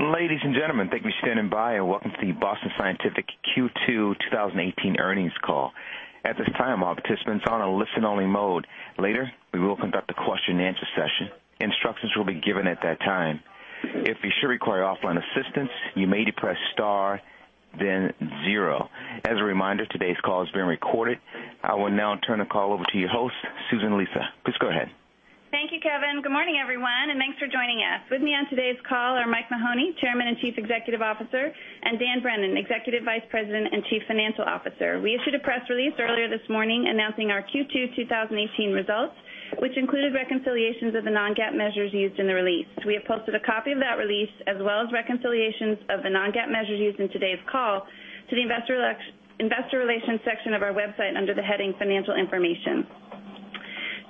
Ladies and gentlemen, thank you for standing by and welcome to the Boston Scientific Q2 2018 earnings call. At this time, all participants are on a listen-only mode. Later, we will conduct a question-and-answer session. Instructions will be given at that time. If you should require offline assistance, you may press star, then zero. As a reminder, today's call is being recorded. I will now turn the call over to your host, Susan Lisa. Please go ahead. Thank you, Kevin. Good morning, everyone, thanks for joining us. With me on today's call are Mike Mahoney, Chairman and Chief Executive Officer, and Dan Brennan, Executive Vice President and Chief Financial Officer. We issued a press release earlier this morning announcing our Q2 2018 results, which included reconciliations of the non-GAAP measures used in the release. We have posted a copy of that release, as well as reconciliations of the non-GAAP measures used in today's call to the investor relations section of our website under the heading Financial Information.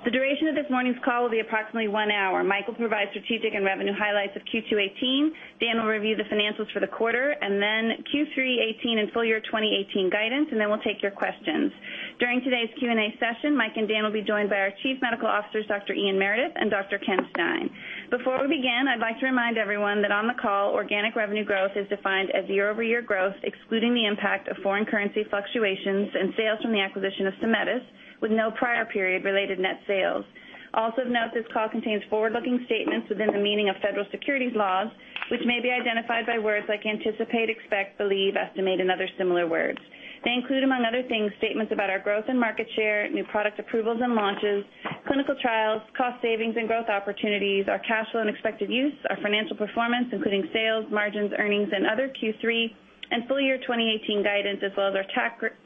The duration of this morning's call will be approximately one hour. Mike will provide strategic and revenue highlights of Q2 2018. Dan will review the financials for the quarter, Q3 2018 and full year 2018 guidance, then we'll take your questions. During today's Q&A session, Mike and Dan will be joined by our chief medical officers, Dr. Ian Meredith and Dr. Ken Stein. Before we begin, I'd like to remind everyone that on the call, organic revenue growth is defined as year-over-year growth, excluding the impact of foreign currency fluctuations and sales from the acquisition of Symetis, with no prior period related net sales. Of note, this call contains forward-looking statements within the meaning of federal securities laws, which may be identified by words like anticipate, expect, believe, estimate, and other similar words. They include, among other things, statements about our growth and market share, new product approvals and launches, clinical trials, cost savings and growth opportunities, our cash flow and expected use, our financial performance, including sales, margins, earnings, and other Q3 and full year 2018 guidance, our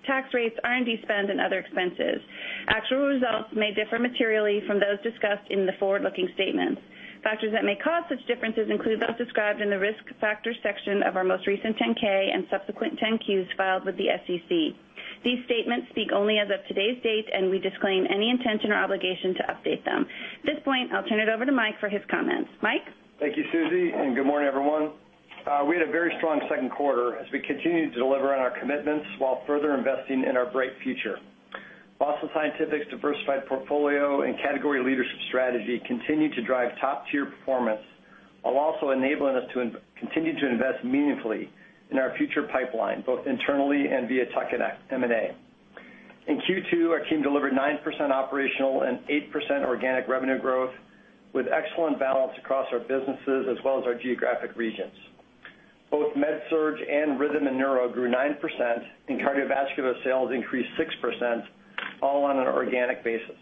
tax rates, R&D spend, and other expenses. Actual results may differ materially from those discussed in the forward-looking statements. Factors that may cause such differences include those described in the risk factors section of our most recent 10-K and subsequent 10-Qs filed with the SEC. These statements speak only as of today's date, we disclaim any intention or obligation to update them. At this point, I'll turn it over to Mike for his comments. Mike? Thank you, Susan Lisa, and good morning, everyone. We had a very strong second quarter as we continued to deliver on our commitments while further investing in our bright future. Boston Scientific's diversified portfolio and category leadership strategy continued to drive top-tier performance, while also enabling us to continue to invest meaningfully in our future pipeline, both internally and via tech and M&A. In Q2, our team delivered 9% operational and 8% organic revenue growth with excellent balance across our businesses as well as our geographic regions. Both MedSurg and Rhythm and Neuro grew 9%, and cardiovascular sales increased 6%, all on an organic basis.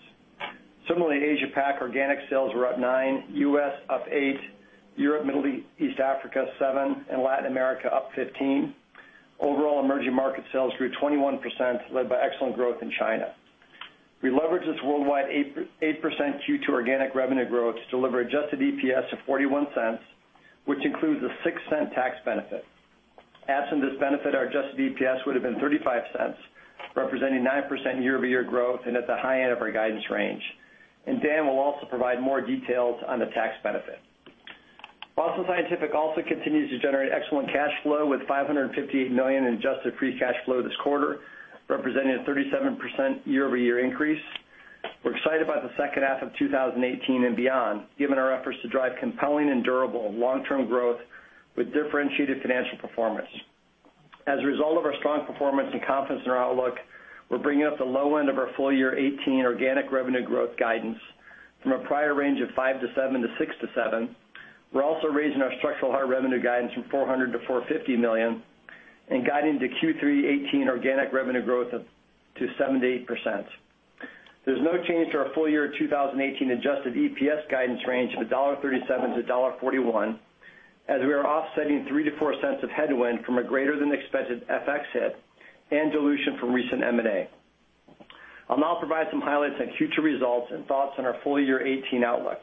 Similarly, Asia Pac organic sales were up 9%, U.S. up 8%, Europe, Middle East, Africa, 7%, and Latin America up 15%. Overall emerging market sales grew 21%, led by excellent growth in China. We leveraged this worldwide 8% Q2 organic revenue growth to deliver adjusted EPS of $0.41, which includes a $0.06 tax benefit. Absent this benefit, our adjusted EPS would've been $0.35, representing 9% year-over-year growth and at the high end of our guidance range. Dan will also provide more details on the tax benefit. Boston Scientific also continues to generate excellent cash flow with $558 million in adjusted free cash flow this quarter, representing a 37% year-over-year increase. We're excited about the second half of 2018 and beyond, given our efforts to drive compelling and durable long-term growth with differentiated financial performance. As a result of our strong performance and confidence in our outlook, we're bringing up the low end of our full year 2018 organic revenue growth guidance from a prior range of 5%-7% to 6%-7%. We're also raising our structural heart revenue guidance from $400 million-$450 million and guiding the Q3 2018 organic revenue growth up to 7%-8%. There's no change to our full year 2018 adjusted EPS guidance range of $1.37 to $1.41 as we are offsetting $0.03-$0.04 of headwind from a greater-than-expected FX hit and dilution from recent M&A. I'll now provide some highlights on Q2 results and thoughts on our full year 2018 outlook.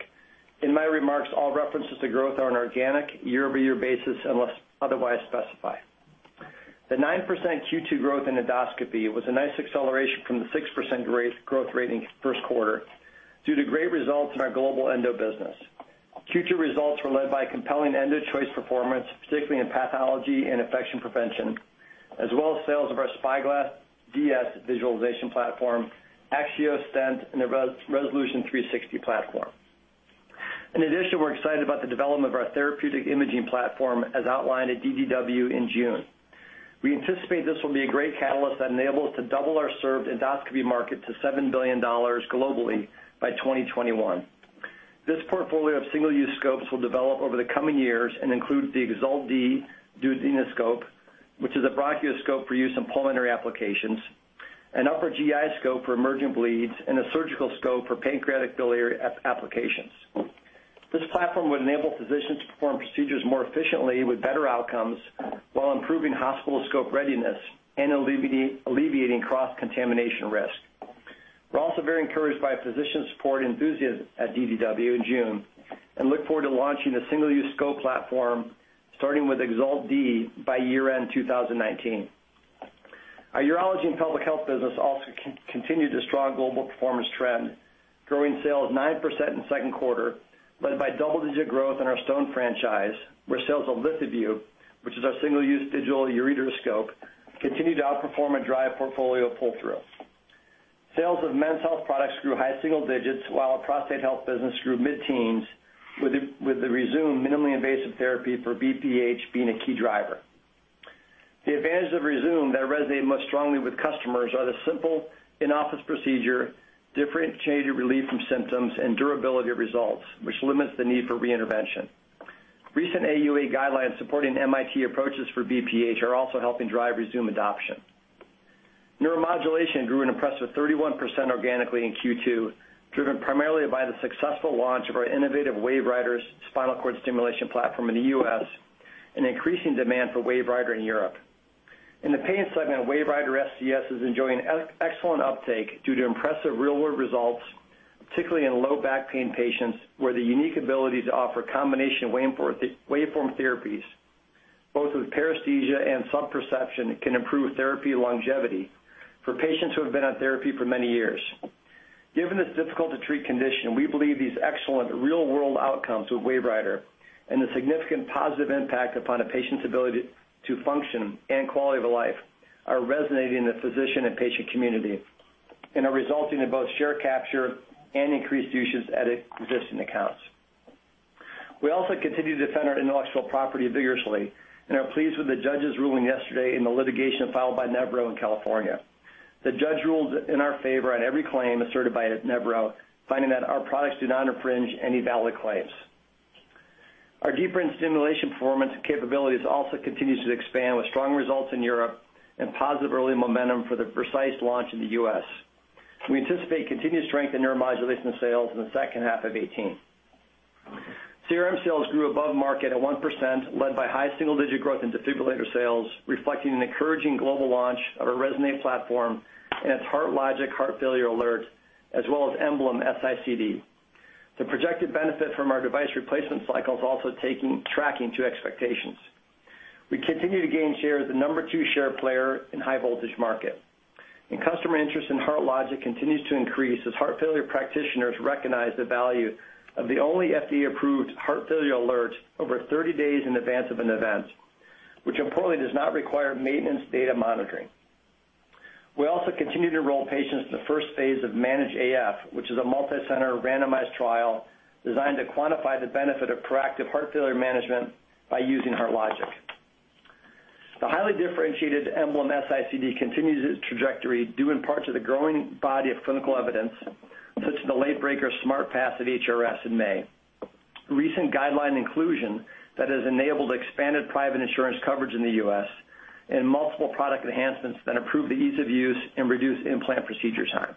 In my remarks, all references to growth are on an organic, year-over-year basis unless otherwise specified. The 9% Q2 growth in Endoscopy was a nice acceleration from the 6% growth rate in first quarter due to great results in our global endo business. Q2 results were led by compelling EndoChoice performance, particularly in pathology and infection prevention, as well as sales of our SpyGlass DS visualization platform, AXIOS Stent, and the Resolution 360 platform. In addition, we're excited about the development of our therapeutic imaging platform as outlined at DDW in June. We anticipate this will be a great catalyst that enables to double our served Endoscopy market to $7 billion globally by 2021. This portfolio of single-use scopes will develop over the coming years and includes the EXALT Model D duodenoscope, which is a bronchoscope for use in pulmonary applications, an upper GI scope for emergent bleeds, and a surgical scope for pancreatobiliary applications. This platform would enable physicians to perform procedures more efficiently with better outcomes while improving hospital scope readiness and alleviating cross-contamination risk. We're also very encouraged by physician support and enthusiasm at DDW in June and look forward to launching the single-use scope platform starting with EXALT D by year-end 2019. Our urology and pelvic health business also continued a strong global performance trend, growing sales 9% in the second quarter, led by double-digit growth in our stone franchise, where sales of LithoVue, which is our single-use digital ureteroscope, continued to outperform and drive portfolio pull-through. Sales of men's health products grew high single digits, while our prostate health business grew mid-teens, with the Rezūm minimally invasive therapy for BPH being a key driver. The advantages of Rezūm that resonate most strongly with customers are the simple in-office procedure, differentiated relief from symptoms, and durability of results, which limits the need for reintervention. Recent AUA guidelines supporting MIST approaches for BPH are also helping drive Rezūm adoption. Neuromodulation grew an impressive 31% organically in Q2, driven primarily by the successful launch of our innovative WaveWriter spinal cord stimulation platform in the U.S. and increasing demand for WaveWriter in Europe. In the pain segment, WaveWriter SCS is enjoying excellent uptake due to impressive real-world results, particularly in low back pain patients, where the unique ability to offer combination waveform therapies, both with paresthesia and sub-perception, can improve therapy longevity for patients who have been on therapy for many years. Given this difficult-to-treat condition, we believe these excellent real-world outcomes with WaveWriter and the significant positive impact upon a patient's ability to function and quality of life are resonating in the physician and patient community and are resulting in both share capture and increased usage at existing accounts. We also continue to defend our intellectual property vigorously and are pleased with the judge's ruling yesterday in the litigation filed by Nevro in California. The judge ruled in our favor on every claim asserted by Nevro, finding that our products do not infringe any valid claims. Our deep brain stimulation performance and capabilities also continues to expand with strong results in Europe and positive early momentum for the Precision launch in the U.S. We anticipate continued strength in neuromodulation sales in the second half of 2018. CRM sales grew above market at 1%, led by high single-digit growth in defibrillator sales, reflecting an encouraging global launch of our RESONATE platform and its HeartLogic heart failure alert, as well as EMBLEM S-ICD. The projected benefit from our device replacement cycle is also tracking to expectations. We continue to gain share as the number two share player in high-voltage market. Customer interest in HeartLogic continues to increase as heart failure practitioners recognize the value of the only FDA-approved heart failure alert over 30 days in advance of an event, which importantly does not require maintenance data monitoring. We also continue to enroll patients in the first phase of MANAGE-HF, which is a multi-center randomized trial designed to quantify the benefit of proactive heart failure management by using HeartLogic. The highly differentiated EMBLEM S-ICD continues its trajectory due in part to the growing body of clinical evidence, such as the late-breaker SMART Pass at HRS in May. Recent guideline inclusion that has enabled expanded private insurance coverage in the U.S. and multiple product enhancements that improve the ease of use and reduce implant procedure time.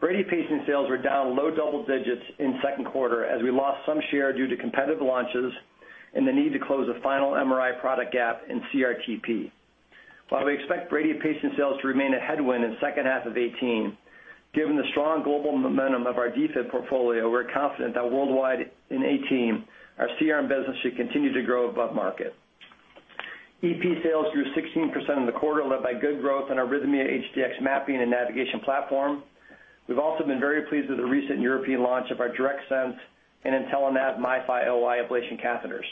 Brady pacing sales were down low double digits in second quarter as we lost some share due to competitive launches and the need to close a final MRI product gap in CRT-P. While we expect brady pacing sales to remain a headwind in the second half of 2018, given the strong global momentum of our defib portfolio, we are confident that worldwide in 2018, our CRM business should continue to grow above market. EP sales grew 16% in the quarter, led by good growth in our RHYTHMIA HDx mapping and navigation platform. We have also been very pleased with the recent European launch of our DIRECTSENSE and INTELLANAV MiFi OI ablation catheters.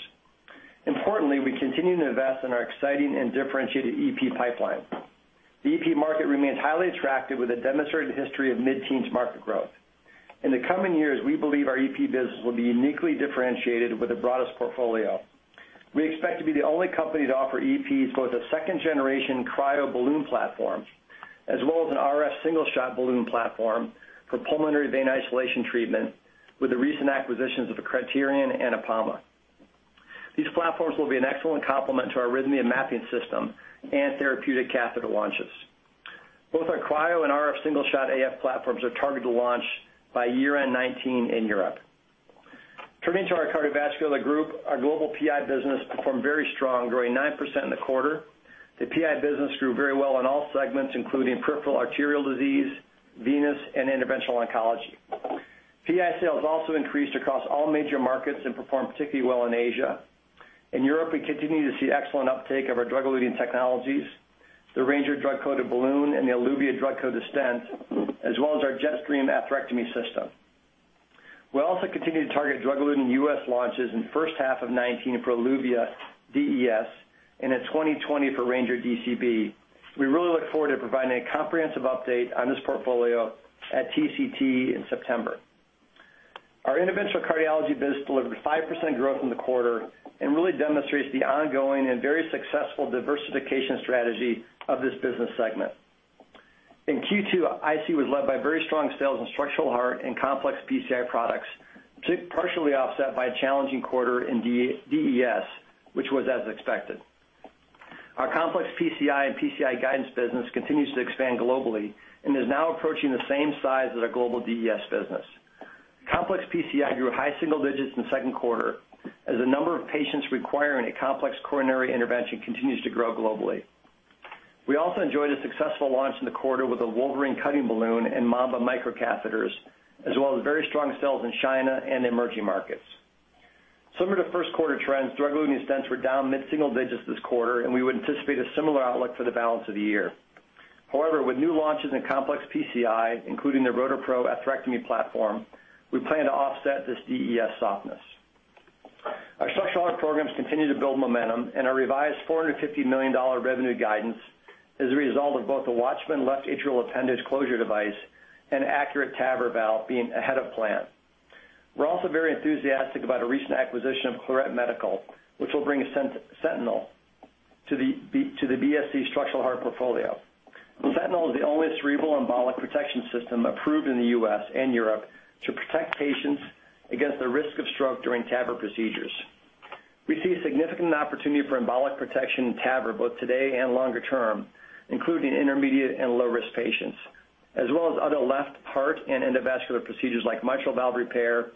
Importantly, we continue to invest in our exciting and differentiated EP pipeline. The EP market remains highly attractive with a demonstrated history of mid-teens market growth. In the coming years, we believe our EP business will be uniquely differentiated with the broadest portfolio. We expect to be the only company to offer EPs both a second-generation cryo-balloon platform, as well as an RF single-shot balloon platform for pulmonary vein isolation treatment with the recent acquisitions of Cryterion and Apama. These platforms will be an excellent complement to our arrhythmia mapping system and therapeutic catheter launches. Both our cryo and RF single-shot AF platforms are targeted to launch by year-end 2019 in Europe. Turning to our cardiovascular group, our global PI business performed very strong, growing 9% in the quarter. The PI business grew very well in all segments, including peripheral arterial disease, venous, and interventional oncology. PI sales also increased across all major markets and performed particularly well in Asia. In Europe, we continue to see excellent uptake of our drug-eluting technologies, the Ranger drug-coated balloon and the Eluvia drug-coated stent, as well as our Jetstream atherectomy system. We also continue to target drug-eluting U.S. launches in the first half of 2019 for Eluvia DES and in 2020 for Ranger DCB. We really look forward to providing a comprehensive update on this portfolio at TCT in September. Our interventional cardiology business delivered 5% growth in the quarter and really demonstrates the ongoing and very successful diversification strategy of this business segment. In Q2, IC was led by very strong sales in structural heart and complex PCI products, partially offset by a challenging quarter in DES, which was as expected. Our complex PCI and PCI guidance business continues to expand globally and is now approaching the same size as our global DES business. Complex PCI grew high single digits in the second quarter as the number of patients requiring a complex coronary intervention continues to grow globally. We also enjoyed a successful launch in the quarter with the WOLVERINE cutting balloon and MAMBA microcatheters, as well as very strong sales in China and emerging markets. Similar to first quarter trends, drug-eluting stents were down mid-single digits this quarter. We would anticipate a similar outlook for the balance of the year. However, with new launches in complex PCI, including the RotaPro atherectomy platform, we plan to offset this DES softness. Our programs continue to build momentum and our revised $450 million revenue guidance as a result of both the WATCHMAN left atrial appendage closure device and ACURATE TAVR valve being ahead of plan. We're also very enthusiastic about a recent acquisition of Claret Medical, which will bring SENTINEL to the BSC structural heart portfolio. SENTINEL is the only cerebral embolic protection system approved in the U.S. and Europe to protect patients against the risk of stroke during TAVR procedures. We see a significant opportunity for embolic protection in TAVR, both today and longer term, including intermediate and low-risk patients, as well as other left heart and endovascular procedures like mitral valve repair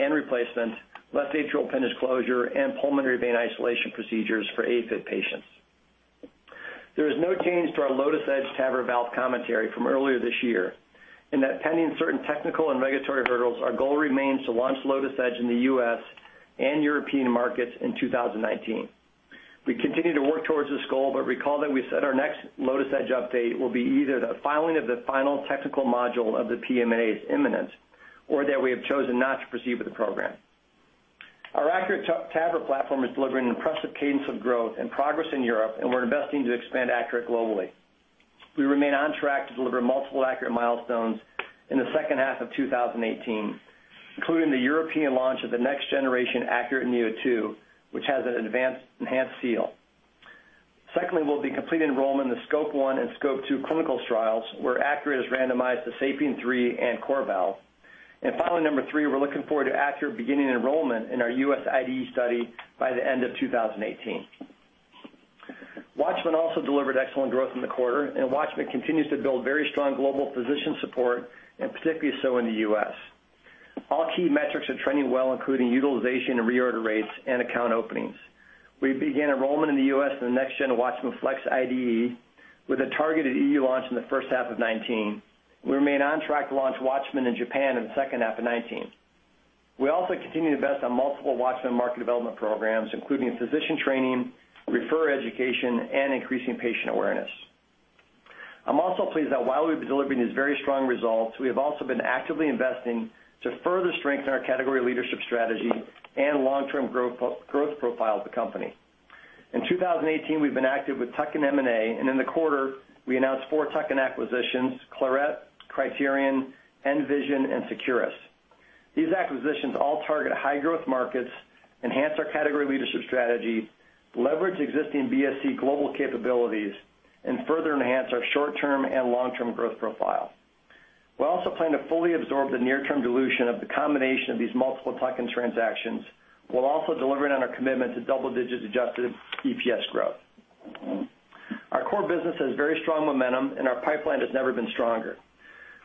and replacement, left atrial appendage closure, and pulmonary vein isolation procedures for AFib patients. There is no change to our LOTUS Edge TAVR valve commentary from earlier this year, in that pending certain technical and regulatory hurdles, our goal remains to launch LOTUS Edge in the U.S. and European markets in 2019. We continue to work towards this goal, recall that we said our next LOTUS Edge update will be either the filing of the final technical module of the PMA's imminent, or that we have chosen not to proceed with the program. Our ACURATE TAVR platform is delivering an impressive cadence of growth and progress in Europe. We're investing to expand ACURATE globally. We remain on track to deliver multiple ACURATE milestones in the second half of 2018, including the European launch of the next generation ACURATE neo2, which has an enhanced seal. Secondly, we'll be completing enrollment in the SCOPE I and SCOPE II clinical trials, where ACURATE has randomized the SAPIEN 3 and CoreValve. Finally, number 3, we're looking forward to ACURATE beginning enrollment in our U.S. IDE study by the end of 2018. WATCHMAN also delivered excellent growth in the quarter, WATCHMAN continues to build very strong global physician support, and particularly so in the U.S. All key metrics are trending well, including utilization and reorder rates and account openings. We began enrollment in the U.S. in the next gen WATCHMAN FLX IDE with a targeted E.U. launch in the first half of 2019. We remain on track to launch WATCHMAN in Japan in the second half of 2019. We also continue to invest on multiple WATCHMAN market development programs, including physician training, referrer education, and increasing patient awareness. I'm also pleased that while we've been delivering these very strong results, we have also been actively investing to further strengthen our category leadership strategy and long-term growth profile of the company. In 2018, we've been active with tuck-in M&A. In the quarter, we announced four tuck-in acquisitions, Claret, Cryterion, nVision, and Securus. These acquisitions all target high-growth markets, enhance our category leadership strategy, leverage existing BSC global capabilities, and further enhance our short-term and long-term growth profile. We also plan to fully absorb the near-term dilution of the combination of these multiple tuck-in transactions, while also delivering on our commitment to double-digit adjusted EPS growth. Our core business has very strong momentum, our pipeline has never been stronger.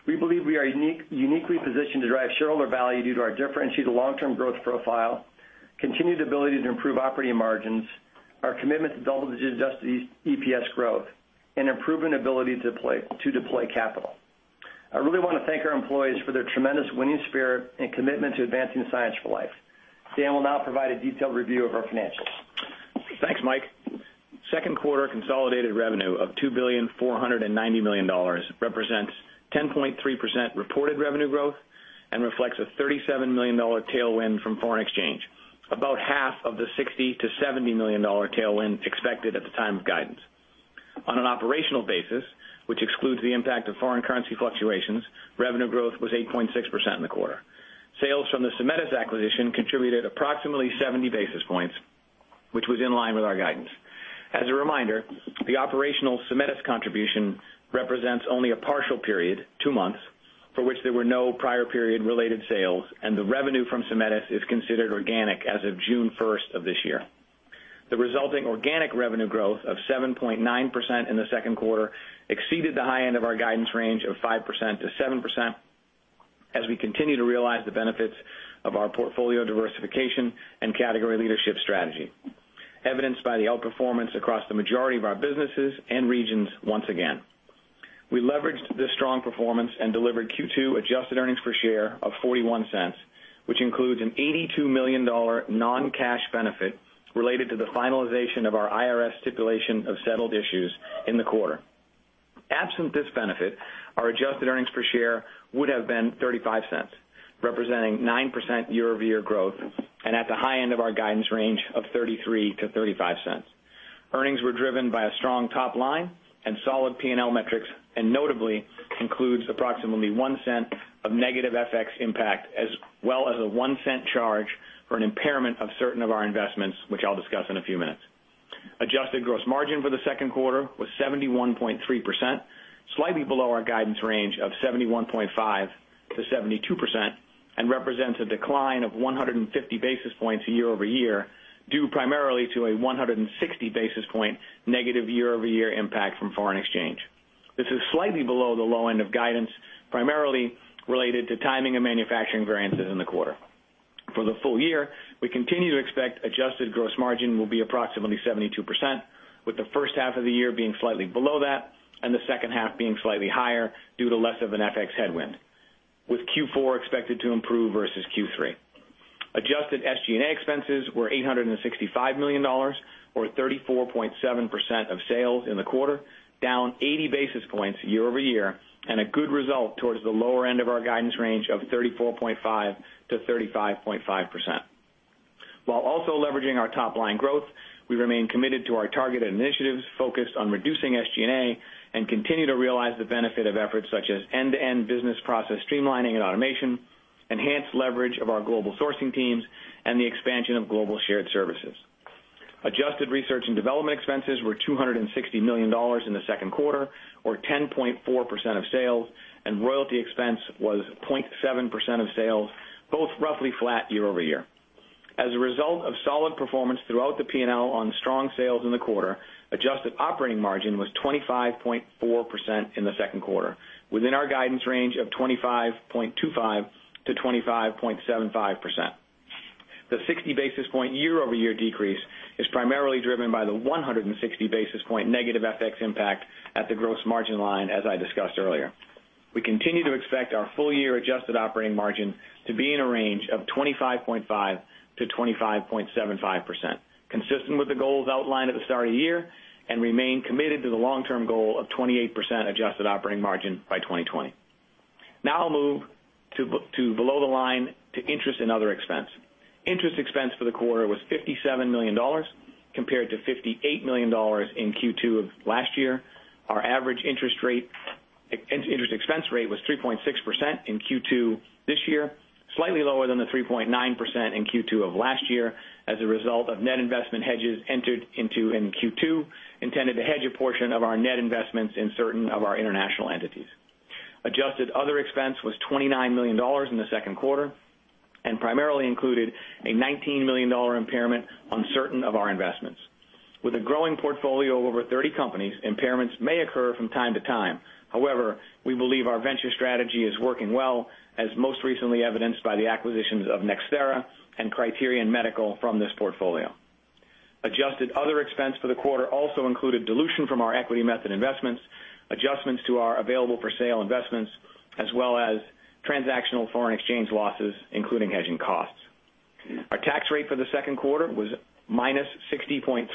We believe we are uniquely positioned to drive shareholder value due to our differentiated long-term growth profile, continued ability to improve operating margins, our commitment to double-digit adjusted EPS growth, and improving ability to deploy capital. I really want to thank our employees for their tremendous winning spirit and commitment to advancing the science for life. Dan will now provide a detailed review of our financials. Thanks, Mike. Second quarter consolidated revenue of $2.49 billion represents 10.3% reported revenue growth and reflects a $37 million tailwind from foreign exchange, about half of the $60 million-$70 million tailwind expected at the time of guidance. On an operational basis, which excludes the impact of foreign currency fluctuations, revenue growth was 8.6% in the quarter. Sales from the Symetis acquisition contributed approximately 70 basis points, which was in line with our guidance. As a reminder, the operational Symetis contribution represents only a partial period, two months, for which there were no prior period related sales, and the revenue from Symetis is considered organic as of June 1st of this year. The resulting organic revenue growth of 7.9% in the second quarter exceeded the high end of our guidance range of 5%-7%, as we continue to realize the benefits of our portfolio diversification and category leadership strategy, evidenced by the outperformance across the majority of our businesses and regions once again. We leveraged this strong performance and delivered Q2 adjusted earnings per share of $0.41, which includes an $82 million non-cash benefit related to the finalization of our IRS stipulation of settled issues in the quarter. Absent this benefit, our adjusted earnings per share would have been $0.35, representing 9% year-over-year growth, and at the high end of our guidance range of $0.33-$0.35. Earnings were driven by a strong top line and solid P&L metrics, and notably includes approximately $0.01 of negative FX impact, as well as a $0.01 charge for an impairment of certain of our investments, which I'll discuss in a few minutes. Adjusted gross margin for the second quarter was 71.3%, slightly below our guidance range of 71.5%-72%, and represents a decline of 150 basis points year-over-year, due primarily to a 160 basis point negative year-over-year impact from foreign exchange. This is slightly below the low end of guidance, primarily related to timing and manufacturing variances in the quarter. For the full year, we continue to expect adjusted gross margin will be approximately 72%, with the first half of the year being slightly below that and the second half being slightly higher due to less of an FX headwind, with Q4 expected to improve versus Q3. Adjusted SG&A expenses were $865 million or 34.7% of sales in the quarter, down 80 basis points year-over-year and a good result towards the lower end of our guidance range of 34.5%-35.5%. While also leveraging our top-line growth, we remain committed to our targeted initiatives focused on reducing SG&A, and continue to realize the benefit of efforts such as end-to-end business process streamlining and automation, enhanced leverage of our global sourcing teams, and the expansion of global shared services. Adjusted research and development expenses were $260 million in the second quarter, or 10.4% of sales, and royalty expense was 0.7% of sales, both roughly flat year-over-year. As a result of solid performance throughout the P&L on strong sales in the quarter, adjusted operating margin was 25.4% in the second quarter, within our guidance range of 25.25%-25.75%. The 60 basis point year-over-year decrease is primarily driven by the 160 basis point negative FX impact at the gross margin line, as I discussed earlier. We continue to expect our full year adjusted operating margin to be in a range of 25.5%-25.75%, consistent with the goals outlined at the start of the year, and remain committed to the long-term goal of 28% adjusted operating margin by 2020. Now I'll move to below the line to interest and other expense. Interest expense for the quarter was $57 million compared to $58 million in Q2 of last year. Our average interest expense rate was 3.6% in Q2 this year, slightly lower than the 3.9% in Q2 of last year as a result of net investment hedges entered into in Q2, intended to hedge a portion of our net investments in certain of our international entities. Adjusted other expense was $29 million in the second quarter and primarily included a $19 million impairment on certain of our investments. With a growing portfolio of over 30 companies, impairments may occur from time to time. However, we believe our venture strategy is working well, as most recently evidenced by the acquisitions of NxThera and Cryterion Medical from this portfolio. Adjusted other expense for the quarter also included dilution from our equity method investments, adjustments to our available-for-sale investments, as well as transactional foreign exchange losses, including hedging costs. Our tax rate for the second quarter was -60.3%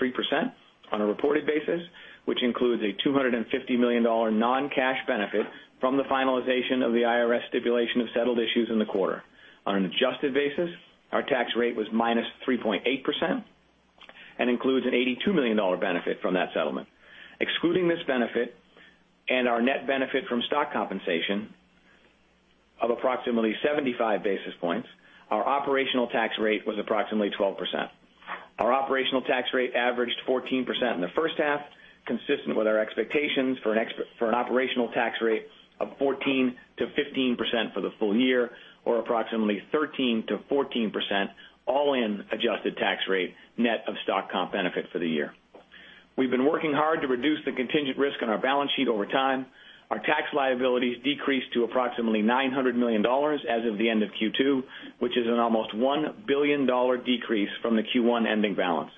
on a reported basis, which includes a $250 million non-cash benefit from the finalization of the IRS stipulation of settled issues in the quarter. On an adjusted basis, our tax rate was -3.8% and includes an $82 million benefit from that settlement. Excluding this benefit and our net benefit from stock compensation of approximately 75 basis points, our operational tax rate was approximately 12%. Our operational tax rate averaged 14% in the first half, consistent with our expectations for an operational tax rate of 14%-15% for the full year, or approximately 13%-14% all-in adjusted tax rate net of stock comp benefit for the year. We've been working hard to reduce the contingent risk on our balance sheet over time. Our tax liabilities decreased to approximately $900 million as of the end of Q2, which is an almost $1 billion decrease from the Q1 ending balance.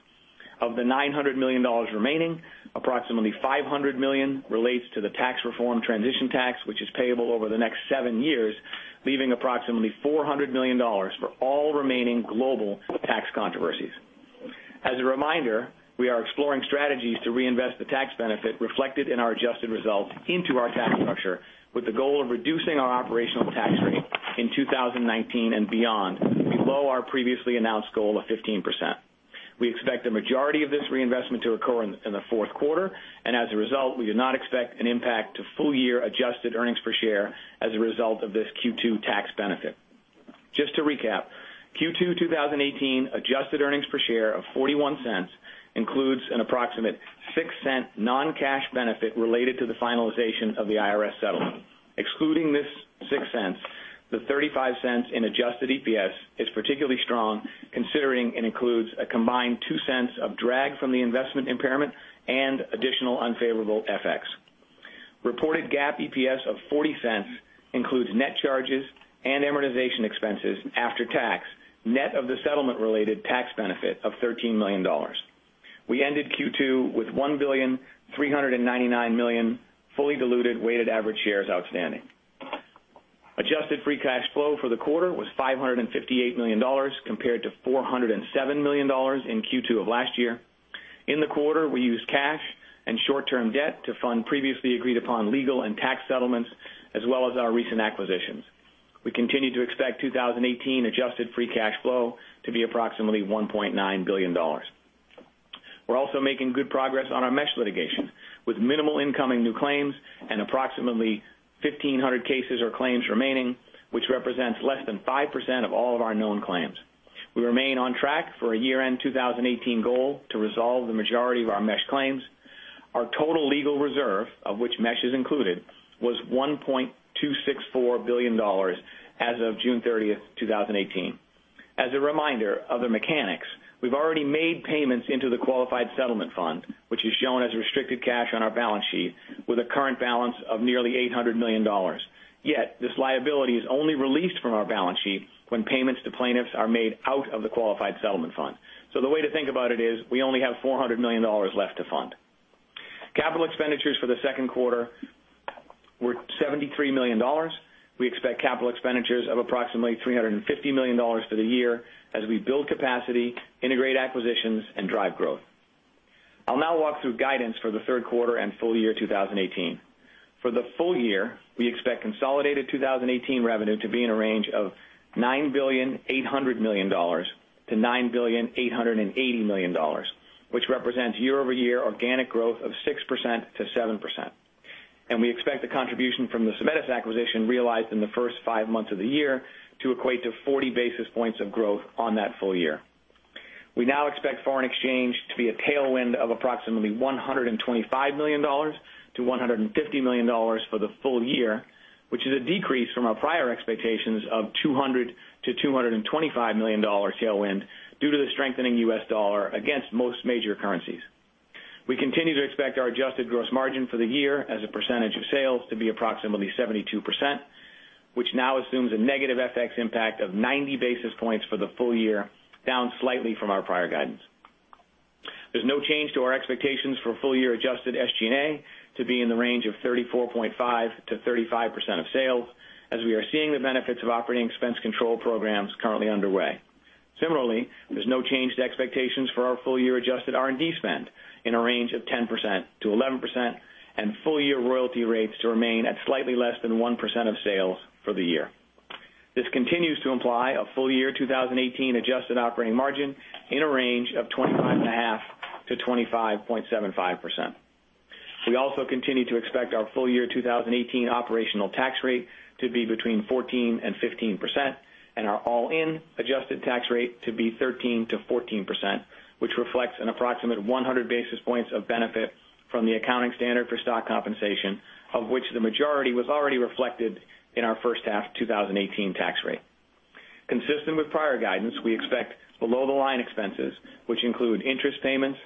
Of the $900 million remaining, approximately $500 million relates to the tax reform transition tax, which is payable over the next seven years, leaving approximately $400 million for all remaining global tax controversies. As a reminder, we are exploring strategies to reinvest the tax benefit reflected in our adjusted results into our tax structure with the goal of reducing our operational tax rate in 2019 and beyond below our previously announced goal of 15%. We expect the majority of this reinvestment to occur in the fourth quarter. As a result, we do not expect an impact to full year adjusted earnings per share as a result of this Q2 tax benefit. Just to recap, Q2 2018 adjusted earnings per share of $0.41 includes an approximate $0.06 non-cash benefit related to the finalization of the IRS settlement. Excluding this $0.06, the $0.35 in adjusted EPS is particularly strong, considering it includes a combined $0.02 of drag from the investment impairment and additional unfavorable FX. Reported GAAP EPS of $0.40 includes net charges and amortization expenses after tax, net of the settlement-related tax benefit of $13 million. We ended Q2 with 1,399,000,000 fully diluted weighted average shares outstanding. Adjusted free cash flow for the quarter was $558 million compared to $407 million in Q2 of last year. In the quarter, we used cash and short-term debt to fund previously agreed-upon legal and tax settlements, as well as our recent acquisitions. We continue to expect 2018 adjusted free cash flow to be approximately $1.9 billion. We're also making good progress on our mesh litigation, with minimal incoming new claims and approximately 1,500 cases or claims remaining, which represents less than 5% of all of our known claims. We remain on track for a year-end 2018 goal to resolve the majority of our mesh claims. Our total legal reserve, of which mesh is included, was $1.264 billion as of June 30th, 2018. As a reminder of the mechanics, we've already made payments into the qualified settlement fund, which is shown as restricted cash on our balance sheet with a current balance of nearly $800 million. Yet this liability is only released from our balance sheet when payments to plaintiffs are made out of the qualified settlement fund. The way to think about it is we only have $400 million left to fund. Capital expenditures for the second quarter were $73 million. We expect capital expenditures of approximately $350 million for the year as we build capacity, integrate acquisitions, and drive growth. I'll now walk through guidance for the third quarter and full year 2018. For the full year, we expect consolidated 2018 revenue to be in a range of $9,800,000,000 to $9,880,000,000, which represents year-over-year organic growth of 6%-7%. We expect the contribution from the Symetis acquisition realized in the first five months of the year to equate to 40 basis points of growth on that full year. We now expect foreign exchange to be a tailwind of approximately $125 million to $150 million for the full year, which is a decrease from our prior expectations of $200 million to $225 million tailwind due to the strengthening U.S. dollar against most major currencies. We continue to expect our adjusted gross margin for the year as a percentage of sales to be approximately 72%, which now assumes a negative FX impact of 90 basis points for the full year, down slightly from our prior guidance. There is no change to our expectations for full year adjusted SG&A to be in the range of 34.5%-35% of sales, as we are seeing the benefits of operating expense control programs currently underway. Similarly, there is no change to expectations for our full year adjusted R&D spend in a range of 10%-11%, and full year royalty rates to remain at slightly less than 1% of sales for the year. This continues to imply a full year 2018 adjusted operating margin in a range of 25.5%-25.75%. We also continue to expect our full year 2018 operational tax rate to be between 14% and 15%, and our all-in adjusted tax rate to be 13%-14%, which reflects an approximate 100 basis points of benefit from the accounting standard for stock compensation, of which the majority was already reflected in our first half 2018 tax rate. Consistent with prior guidance, we expect below-the-line expenses, which include interest payments,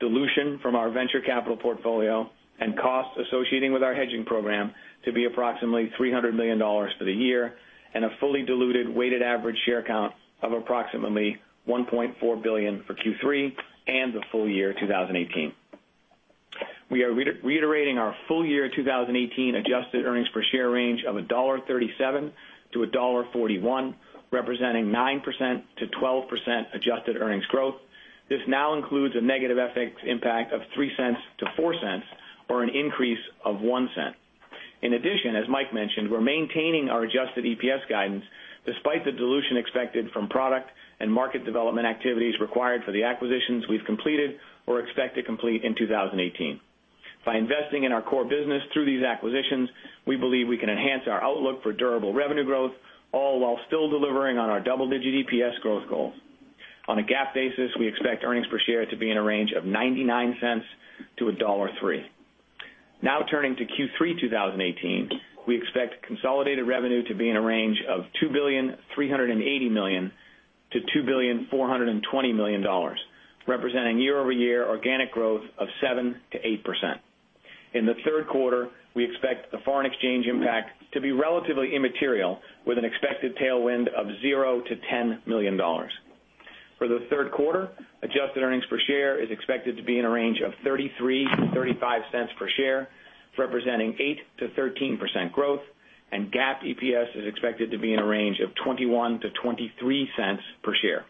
dilution from our venture capital portfolio, and costs associating with our hedging program to be approximately $300 million for the year, and a fully diluted weighted average share count of approximately 1.4 billion for Q3 and the full year 2018. We are reiterating our full year 2018 adjusted earnings per share range of $1.37-$1.41, representing 9%-12% adjusted earnings growth. This now includes a negative FX impact of $0.03-$0.04, or an increase of $0.01. In addition, as Mike mentioned, we are maintaining our adjusted EPS guidance despite the dilution expected from product and market development activities required for the acquisitions we have completed or expect to complete in 2018. By investing in our core business through these acquisitions, we believe we can enhance our outlook for durable revenue growth, all while still delivering on our double-digit EPS growth goals. On a GAAP basis, we expect earnings per share to be in a range of $0.99-$1.03. Now turning to Q3 2018, we expect consolidated revenue to be in a range of $2.38 billion-$2.42 billion, representing year-over-year organic growth of 7%-8%. In the third quarter, we expect the foreign exchange impact to be relatively immaterial, with an expected tailwind of $0-$10 million. For the third quarter, adjusted earnings per share is expected to be in a range of $0.33-$0.35 per share, representing 8%-13% growth, and GAAP EPS is expected to be in a range of $0.21-$0.23 per share.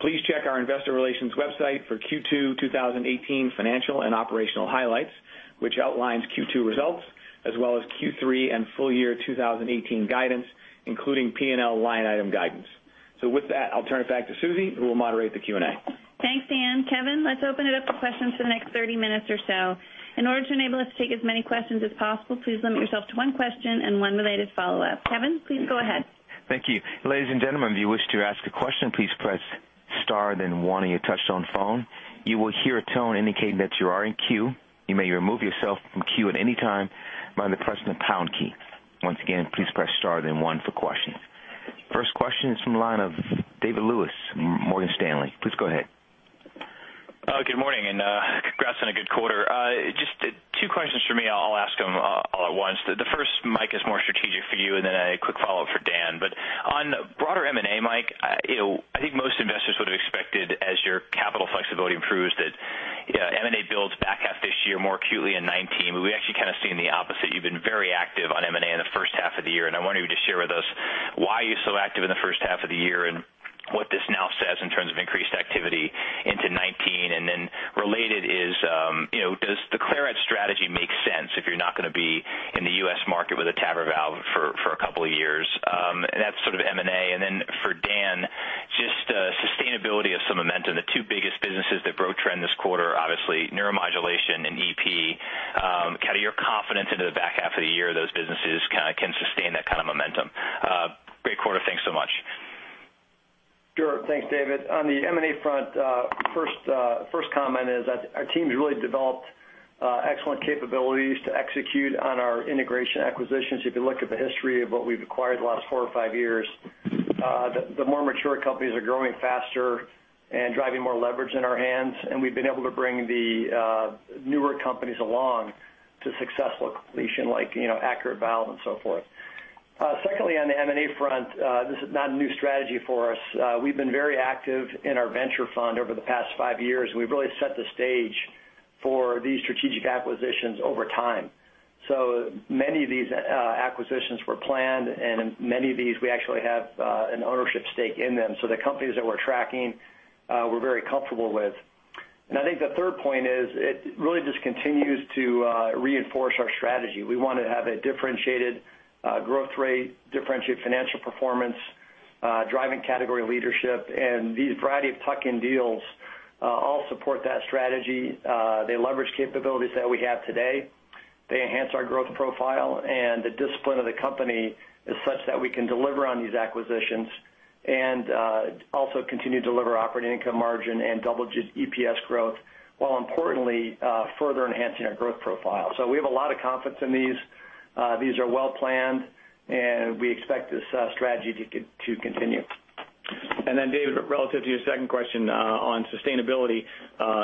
Please check our investor relations website for Q2 2018 financial and operational highlights, which outlines Q2 results as well as Q3 and full year 2018 guidance, including P&L line item guidance. With that, I'll turn it back to Susie, who will moderate the Q&A. Thanks, Dan. Kevin, let's open it up for questions for the next 30 minutes or so. In order to enable us to take as many questions as possible, please limit yourself to one question and one related follow-up. Kevin, please go ahead. Thank you. Ladies and gentlemen, if you wish to ask a question, please press star then one on your touch-tone phone. You will hear a tone indicating that you are in queue. You may remove yourself from queue at any time by pressing the pound key. Once again, please press star then one for questions. First question is from the line of David Lewis from Morgan Stanley. Please go ahead. Good morning, congrats on a good quarter. Just two questions from me. I'll ask them all at once. The first, Mike, is more strategic for you and then a quick follow-up for Dan. On broader M&A, Mike, I think most investors would have expected as your capital flexibility improves that M&A builds back half this year more acutely in 2019, we actually kind of seen the opposite. You've been very active on M&A in the first half of the year, and I wonder if you could share with us why are you so active in the first half of the year and what this now says in terms of increased activity into 2019. Then related is, does the Claret strategy make sense if you're not going to be in the U.S. market with a TAVR valve for a couple of years? That's sort of M&A. For Dan, just sustainability of some momentum. The two biggest businesses that broke trend this quarter are obviously neuromodulation and EP. Kind of your confidence into the back half of the year those businesses can sustain that kind of momentum. Great quarter. Thanks so much. Sure. Thanks, David. On the M&A front, first comment is that our team's really developed excellent capabilities to execute on our integration acquisitions. If you look at the history of what we've acquired the last four or five years, the more mature companies are growing faster and driving more leverage in our hands, and we've been able to bring the newer companies along to successful completion, like ACURATE valve and so forth. Secondly, on the M&A front, this is not a new strategy for us. We've been very active in our venture fund over the past five years, and we've really set the stage for these strategic acquisitions over time. Many of these acquisitions were planned, and many of these we actually have an ownership stake in them. The companies that we're tracking, we're very comfortable with. I think the third point is it really just continues to reinforce our strategy. We want to have a differentiated growth rate, differentiated financial performance, driving category leadership, and these variety of tuck-in deals all support that strategy. They leverage capabilities that we have today. They enhance our growth profile, and the discipline of the company is such that we can deliver on these acquisitions and also continue to deliver operating income margin and double-digit EPS growth, while importantly, further enhancing our growth profile. We have a lot of confidence in these. These are well-planned, and we expect this strategy to continue. David, relative to your second question on sustainability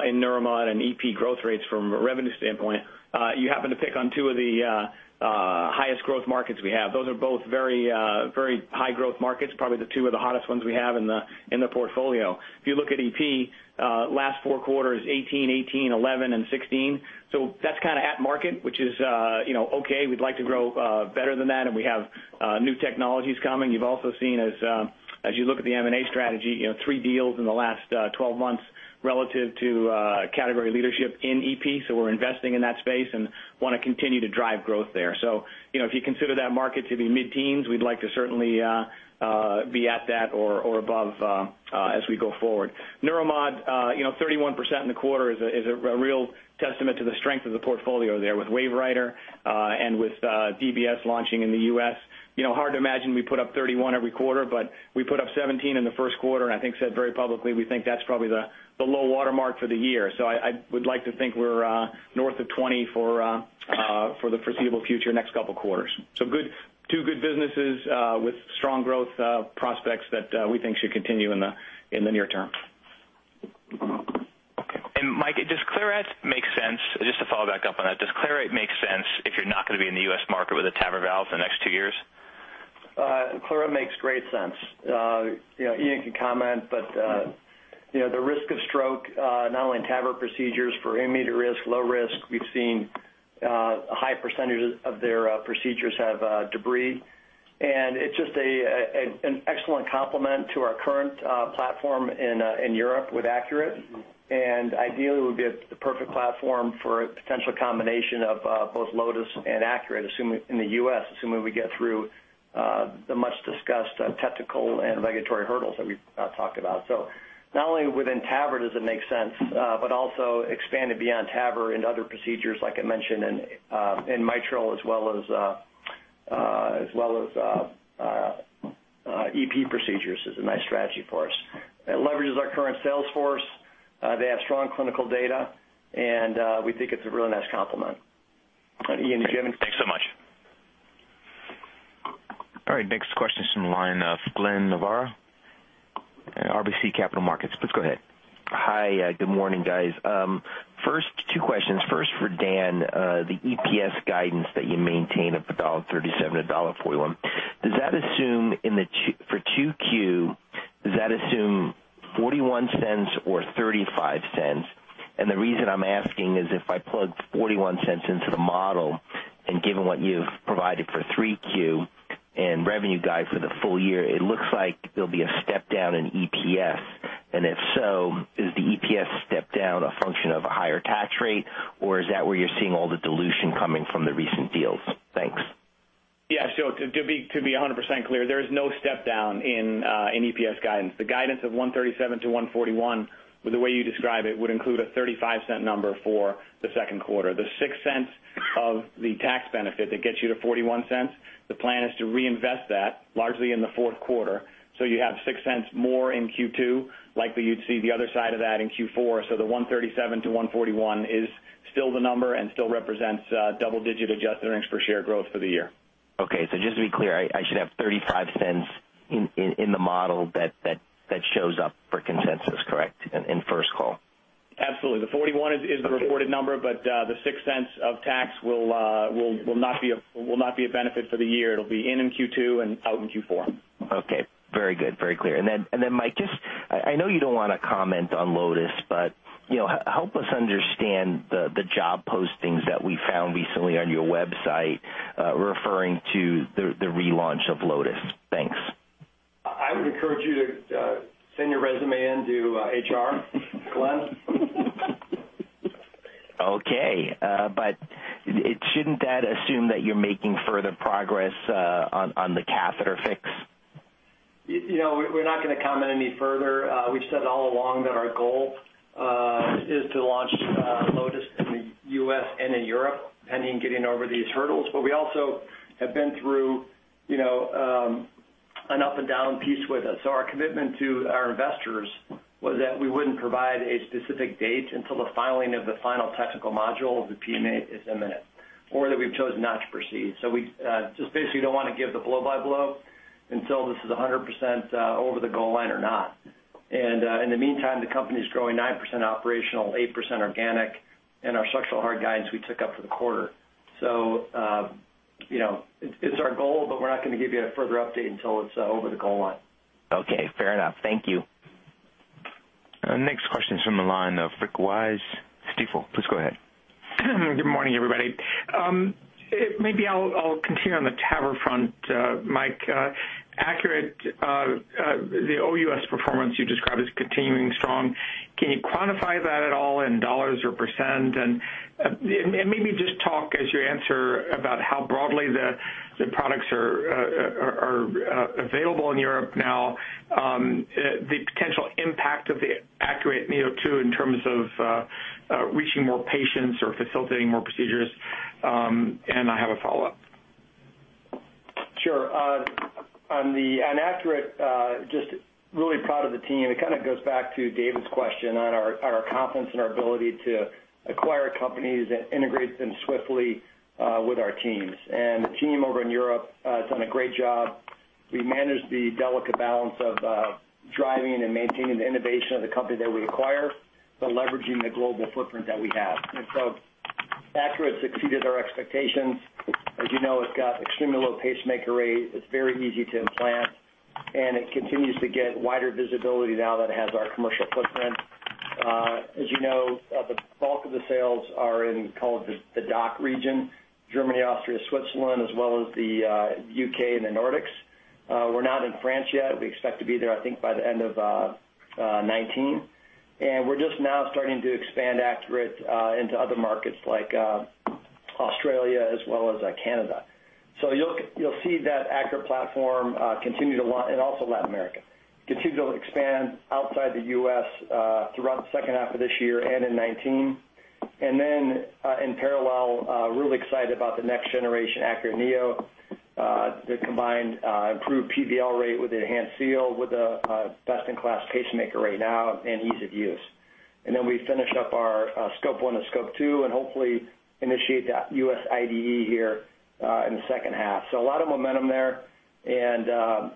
in Neuromod and EP growth rates from a revenue standpoint, you happen to pick on two of the highest growth markets we have. Those are both very high growth markets, probably the two of the hottest ones we have in the portfolio. If you look at EP, last four quarters, 18, 11, and 16. That's kind of at market, which is okay. We'd like to grow better than that, and we have new technologies coming. You've also seen as you look at the M&A strategy, three deals in the last 12 months relative to category leadership in EP. We're investing in that space and want to continue to drive growth there. If you consider that market to be mid-teens, we'd like to certainly be at that or above as we go forward. Neuromod, 31% in the quarter is a real testament to the strength of the portfolio there with WaveWriter, and with DBS launching in the U.S. Hard to imagine we put up 31 every quarter, but we put up 17 in the first quarter, and I think said very publicly, we think that's probably the low water mark for the year. I would like to think we're north of 20 for the foreseeable future, next couple of quarters. Two good businesses with strong growth prospects that we think should continue in the near term. Okay. Mike, does Claret make sense, just to follow back up on that, does Claret make sense if you're not going to be in the U.S. market with a TAVR valve for the next two years? Claret makes great sense. Ian can comment, but the risk of stroke, not only in TAVR procedures for intermediate risk, low risk, we've seen a high percentage of their procedures have debris. It's just an excellent complement to our current platform in Europe with ACURATE, and ideally would be a perfect platform for a potential combination of both Lotus and ACURATE in the U.S., assuming we get through the much-discussed technical and regulatory hurdles that we've talked about. Not only within TAVR does it make sense, but also expanded beyond TAVR into other procedures, like I mentioned in mitral as well as EP procedures is a nice strategy for us. It leverages our current sales force, they have strong clinical data, and we think it's a really nice complement. Ian, do you have any- Thanks so much. All right. Next question is from the line of Glenn Novarro, RBC Capital Markets. Please go ahead. Hi. Good morning, guys. First, two questions. First for Dan, the EPS guidance that you maintain of $1.37-$1.41, for 2Q, does that assume $0.41 or $0.35? The reason I'm asking is if I plugged $0.41 into the model, and given what you've provided for 3Q and revenue guide for the full year, it looks like there'll be a step down in EPS. If so, is the EPS step down a function of a higher tax rate, or is that where you're seeing all the dilution coming from the recent deals? Thanks. Yeah. To be 100% clear, there is no step down in EPS guidance. The guidance of $1.37-$1.41, with the way you describe it, would include a $0.35 number for the second quarter. The $0.06 of the tax benefit that gets you to $0.41, the plan is to reinvest that largely in the fourth quarter. You have $0.06 more in Q2, likely you'd see the other side of that in Q4. The $1.37-$1.41 is still the number and still represents double-digit adjusted earnings per share growth for the year. Okay. Just to be clear, I should have $0.35 in the model that shows up for consensus, correct? In first call. Absolutely. The 41 is the reported number, but the $0.06 of tax will not be a benefit for the year. It'll be in Q2 and out in Q4. Okay. Very good. Very clear. Mike, I know you don't want to comment on Lotus, but help us understand the job postings that we found recently on your website, referring to the relaunch of Lotus. Thanks. I would encourage you to send your resume in to HR, Glenn. Okay. Shouldn't that assume that you're making further progress on the catheter fix? We're not going to comment any further. We've said all along that our goal is to launch Lotus in the U.S. and in Europe, pending getting over these hurdles. We also have been through an up and down piece with it. Our commitment to our investors was that we wouldn't provide a specific date until the filing of the final technical module of the PMA is imminent, or that we've chosen not to proceed. We just basically don't want to give the blow by blow until this is 100% over the goal line or not. In the meantime, the company's growing 9% operational, 8% organic, and our structural heart guidance we took up for the quarter. It's our goal, but we're not going to give you a further update until it's over the goal line. Okay. Fair enough. Thank you. Next question is from the line of Rick Wise, Stifel. Please go ahead. Good morning, everybody. Maybe I'll continue on the TAVR front, Mike. ACURATE, the OUS performance you described is continuing strong. Can you quantify that at all in dollars or percent? Maybe just talk as you answer about how broadly the products are available in Europe now, the potential impact of the ACURATE Neo2 in terms of reaching more patients or facilitating more procedures. I have a follow-up. Sure. On ACURATE, just really proud of the team. It kind of goes back to David's question on our confidence in our ability to acquire companies and integrate them swiftly with our teams. The team over in Europe has done a great job. We managed the delicate balance of driving and maintaining the innovation of the company that we acquire, but leveraging the global footprint that we have. ACURATE succeeded our expectations. As you know, it's got extremely low pacemaker rate. It's very easy to implant, and it continues to get wider visibility now that it has our commercial footprint. As you know, the bulk of the sales are in, call it, the DACH region, Germany, Austria, Switzerland, as well as the U.K. and the Nordics. We're not in France yet. We expect to be there, I think, by the end of 2019. We're just now starting to expand ACURATE into other markets like Australia as well as Canada. You'll see that ACURATE platform continue to launch and also Latin America, continue to expand outside the U.S. throughout the second half of this year and in 2019. In parallel, really excited about the next generation ACURATE neo, the combined improved PVL rate with enhanced seal, with a best-in-class pacemaker right now and ease of use. We finish up our SCOPE I and SCOPE II and hopefully initiate that U.S. IDE here in the second half. A lot of momentum there and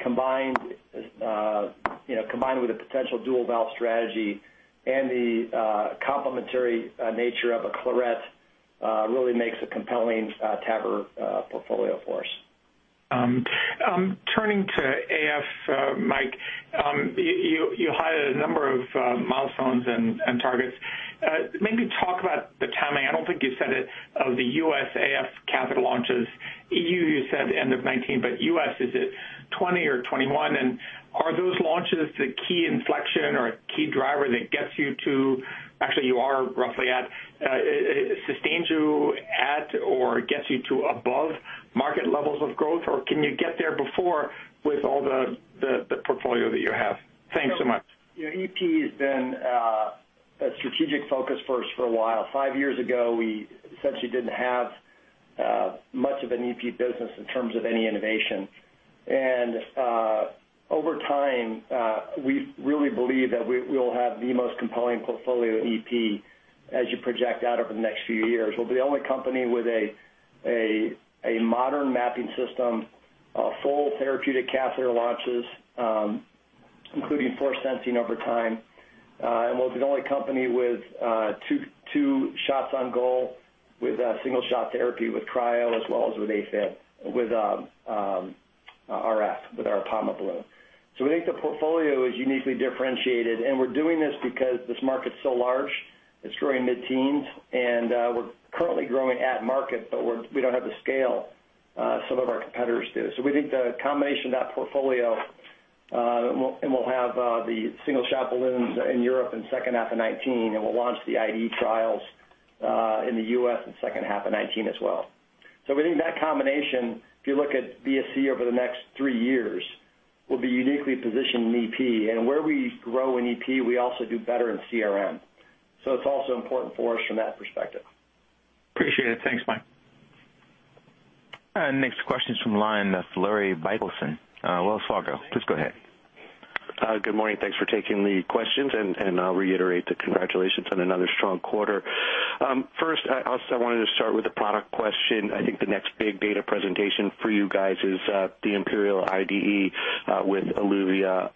combined with a potential dual-valve strategy and the complementary nature of a Claret really makes a compelling TAVR portfolio for us. Turning to AFib, Mike, you highlighted a number of milestones and targets. Maybe talk about the timing, I don't think you said it, of the U.S. AFib catheter launches. EU, you said end of 2019, but U.S., is it 2020 or 2021? Are those launches the key inflection or a key driver that gets you to, actually, you are roughly at, sustains you at or gets you to above market levels of growth? Can you get there before with all the portfolio that you have? Thanks so much. EP has been a strategic focus for us for a while. Five years ago, we essentially didn't have much of an EP business in terms of any innovation. Over time, we really believe that we will have the most compelling portfolio in EP as you project out over the next few years. We'll be the only company with a modern mapping system, full therapeutic catheter launches, including force sensing over time. We'll be the only company with two shots on goal with a single-shot therapy with cryo as well as with AFib, with RF, with our Apama RF Balloon. We think the portfolio is uniquely differentiated, and we're doing this because this market's so large, it's growing mid-teens, we don't have the scale some of our competitors do. We think the combination of that portfolio, and we'll have the single-shot balloons in Europe in second half of 2019, and we'll launch the IDE trials in the U.S. in second half of 2019 as well. We think that combination, if you look at BSC over the next three years, we'll be uniquely positioned in EP. Where we grow in EP, we also do better in CRM. It's also important for us from that perspective. Appreciate it. Thanks, Mike. Next question is from the line of Larry Biegelsen, Wells Fargo. Please go ahead. Good morning. Thanks for taking the questions. I'll reiterate the congratulations on another strong quarter. First, I also wanted to start with a product question. I think the next big data presentation for you guys is the IMPERIAL IDE with Eluvia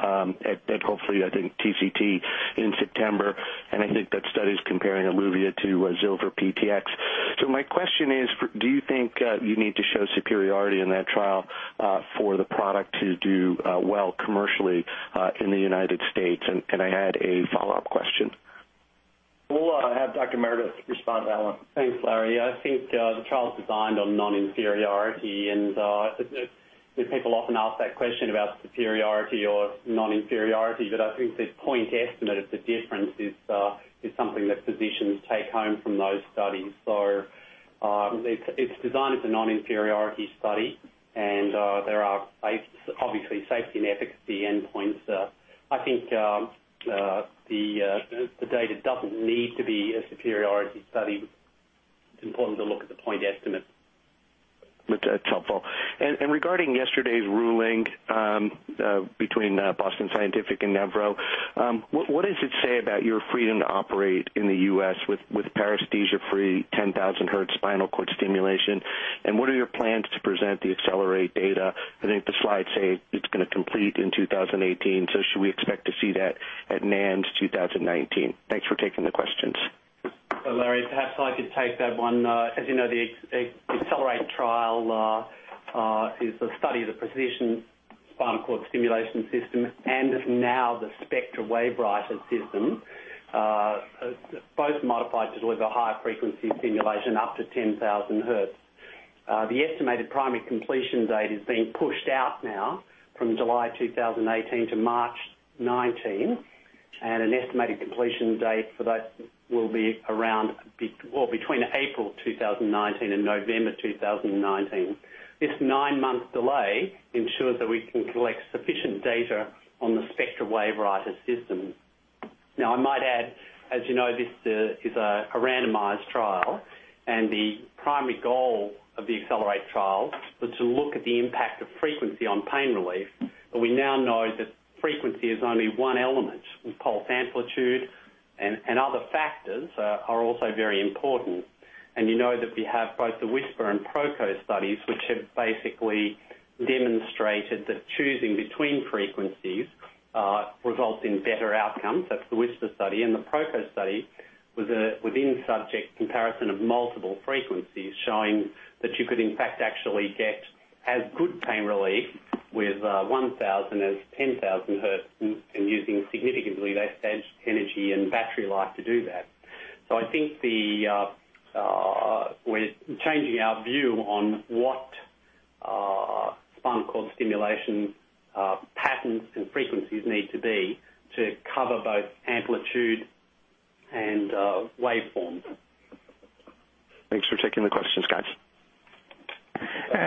at hopefully, I think TCT in September, and I think that study's comparing Eluvia to Zilver PTX. My question is, do you think you need to show superiority in that trial for the product to do well commercially in the United States? I had a follow-up question. We'll have Dr. Meredith respond to that one. Thanks, Larry. I think the trial's designed on non-inferiority. People often ask that question about superiority or non-inferiority, but I think the point estimate of the difference is something that physicians take home from those studies. It's designed as a non-inferiority study. There are obviously safety and efficacy endpoints. I think the data doesn't need to be a superiority study. It's important to look at the point estimate. That's helpful. Regarding yesterday's ruling between Boston Scientific and Nevro, what does it say about your freedom to operate in the U.S. with paresthesia-free 10,000 hertz spinal cord stimulation, and what are your plans to present the ACCELERATE data? I think the slides say it's going to complete in 2018. Should we expect to see that at NANS 2019? Thanks for taking the questions. Larry, perhaps I could take that one. As you know, the ACCELERATE Trial is a study of the Precision spinal cord stimulation system and now the Spectra WaveWriter system, both modified to deliver higher frequency stimulation up to 10,000 hertz. The estimated primary completion date is being pushed out now from July 2018 to March 2019. An estimated completion date for that will be around between April 2019 and November 2019. This nine-month delay ensures that we can collect sufficient data on the Spectra WaveWriter system. I might add, as you know, this is a randomized trial. The primary goal of the ACCELERATE Trial was to look at the impact of frequency on pain relief. We now know that frequency is only one element, with pulse amplitude and other factors are also very important. you know that we have both the WHISPER and PROCO studies, which have basically demonstrated that choosing between frequencies results in better outcomes. That's the WHISPER study. The PROCO study was within-subject comparison of multiple frequencies, showing that you could in fact actually get as good pain relief with 1,000 as 10,000 hertz and using significantly less energy and battery life to do that. I think we're changing our view on what spinal cord stimulation patterns and frequencies need to be to cover both amplitude and waveforms. Thanks for taking the questions, guys.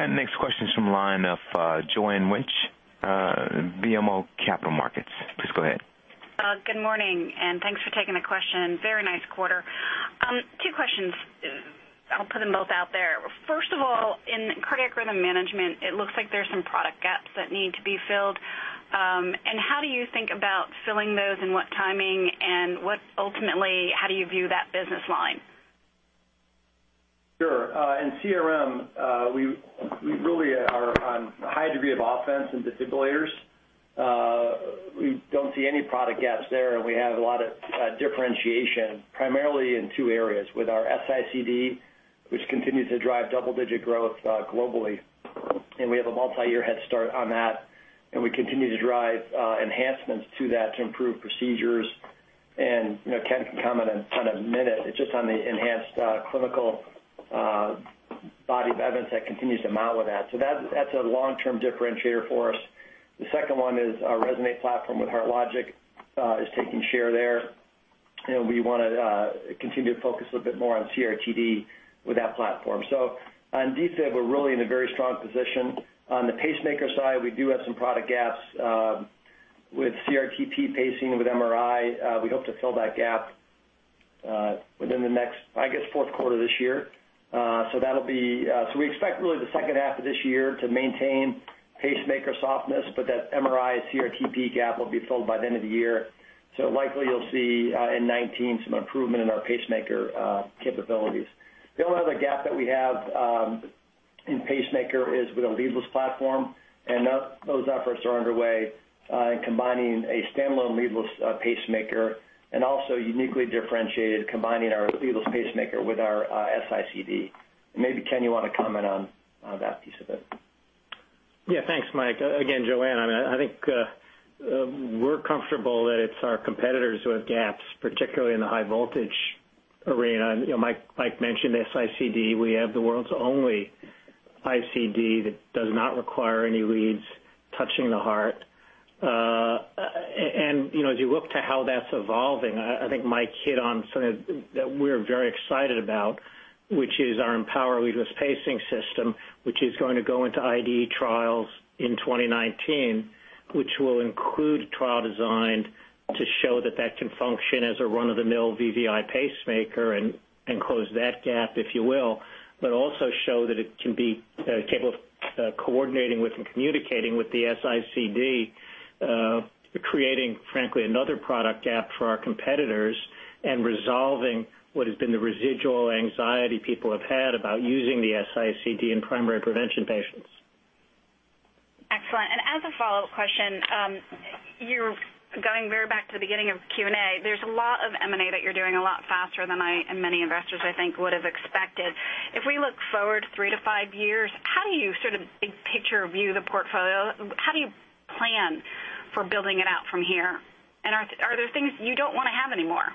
Next question is from the line of Joanne Wuensch, BMO Capital Markets. Please go ahead. Good morning, and thanks for taking the question. Very nice quarter. Two questions. I'll put them both out there. First of all, in cardiac rhythm management, it looks like there's some product gaps that need to be filled. How do you think about filling those and what timing and ultimately, how do you view that business line? Sure. In CRM, we really are on a high degree of offense in defibrillators. We don't see any product gaps there, and we have a lot of differentiation, primarily in two areas, with our S-ICD, which continues to drive double-digit growth globally. We have a multi-year head start on that, and we continue to drive enhancements to that to improve procedures. Ken can comment in a minute just on the enhanced clinical body of evidence that continues to mount with that. That's a long-term differentiator for us. The second one is our RESONATE platform with HeartLogic is taking share there. We want to continue to focus a bit more on CRT-D with that platform. On defib, we're really in a very strong position. On the pacemaker side, we do have some product gaps with CRT-P pacing with MRI. We hope to fill that gap within the next, I guess, fourth quarter this year. We expect really the second half of this year to maintain pacemaker softness, but that MRI CRT-P gap will be filled by the end of the year. Likely you'll see in 2019 some improvement in our pacemaker capabilities. The only other gap that we have in pacemaker is with a leadless platform, and those efforts are underway in combining a standalone leadless pacemaker and also uniquely differentiated, combining our leadless pacemaker with our S-ICD. Maybe, Ken, you want to comment on that piece of it. Yeah. Thanks, Mike. Again, Joanne, I think we're comfortable that it's our competitors who have gaps, particularly in the high voltage arena. Mike mentioned the S-ICD. We have the world's only ICD that does not require any leads touching the heart. As you look to how that's evolving, I think Mike hit on something that we're very excited about, which is our EMPOWER leadless pacing system, which is going to go into IDE trials in 2019, which will include a trial designed to show that that can function as a run-of-the-mill VVI pacemaker and close that gap, if you will, but also show that it can be capable of coordinating with and communicating with the S-ICD, creating, frankly, another product gap for our competitors and resolving what has been the residual anxiety people have had about using the S-ICD in primary prevention patients. Excellent. As a follow-up question, going very back to the beginning of Q&A, there's a lot of M&A that you're doing a lot faster than I and many investors, I think, would have expected. If we look forward three to five years, how do you big picture view the portfolio? How do you plan for building it out from here? Are there things you don't want to have anymore?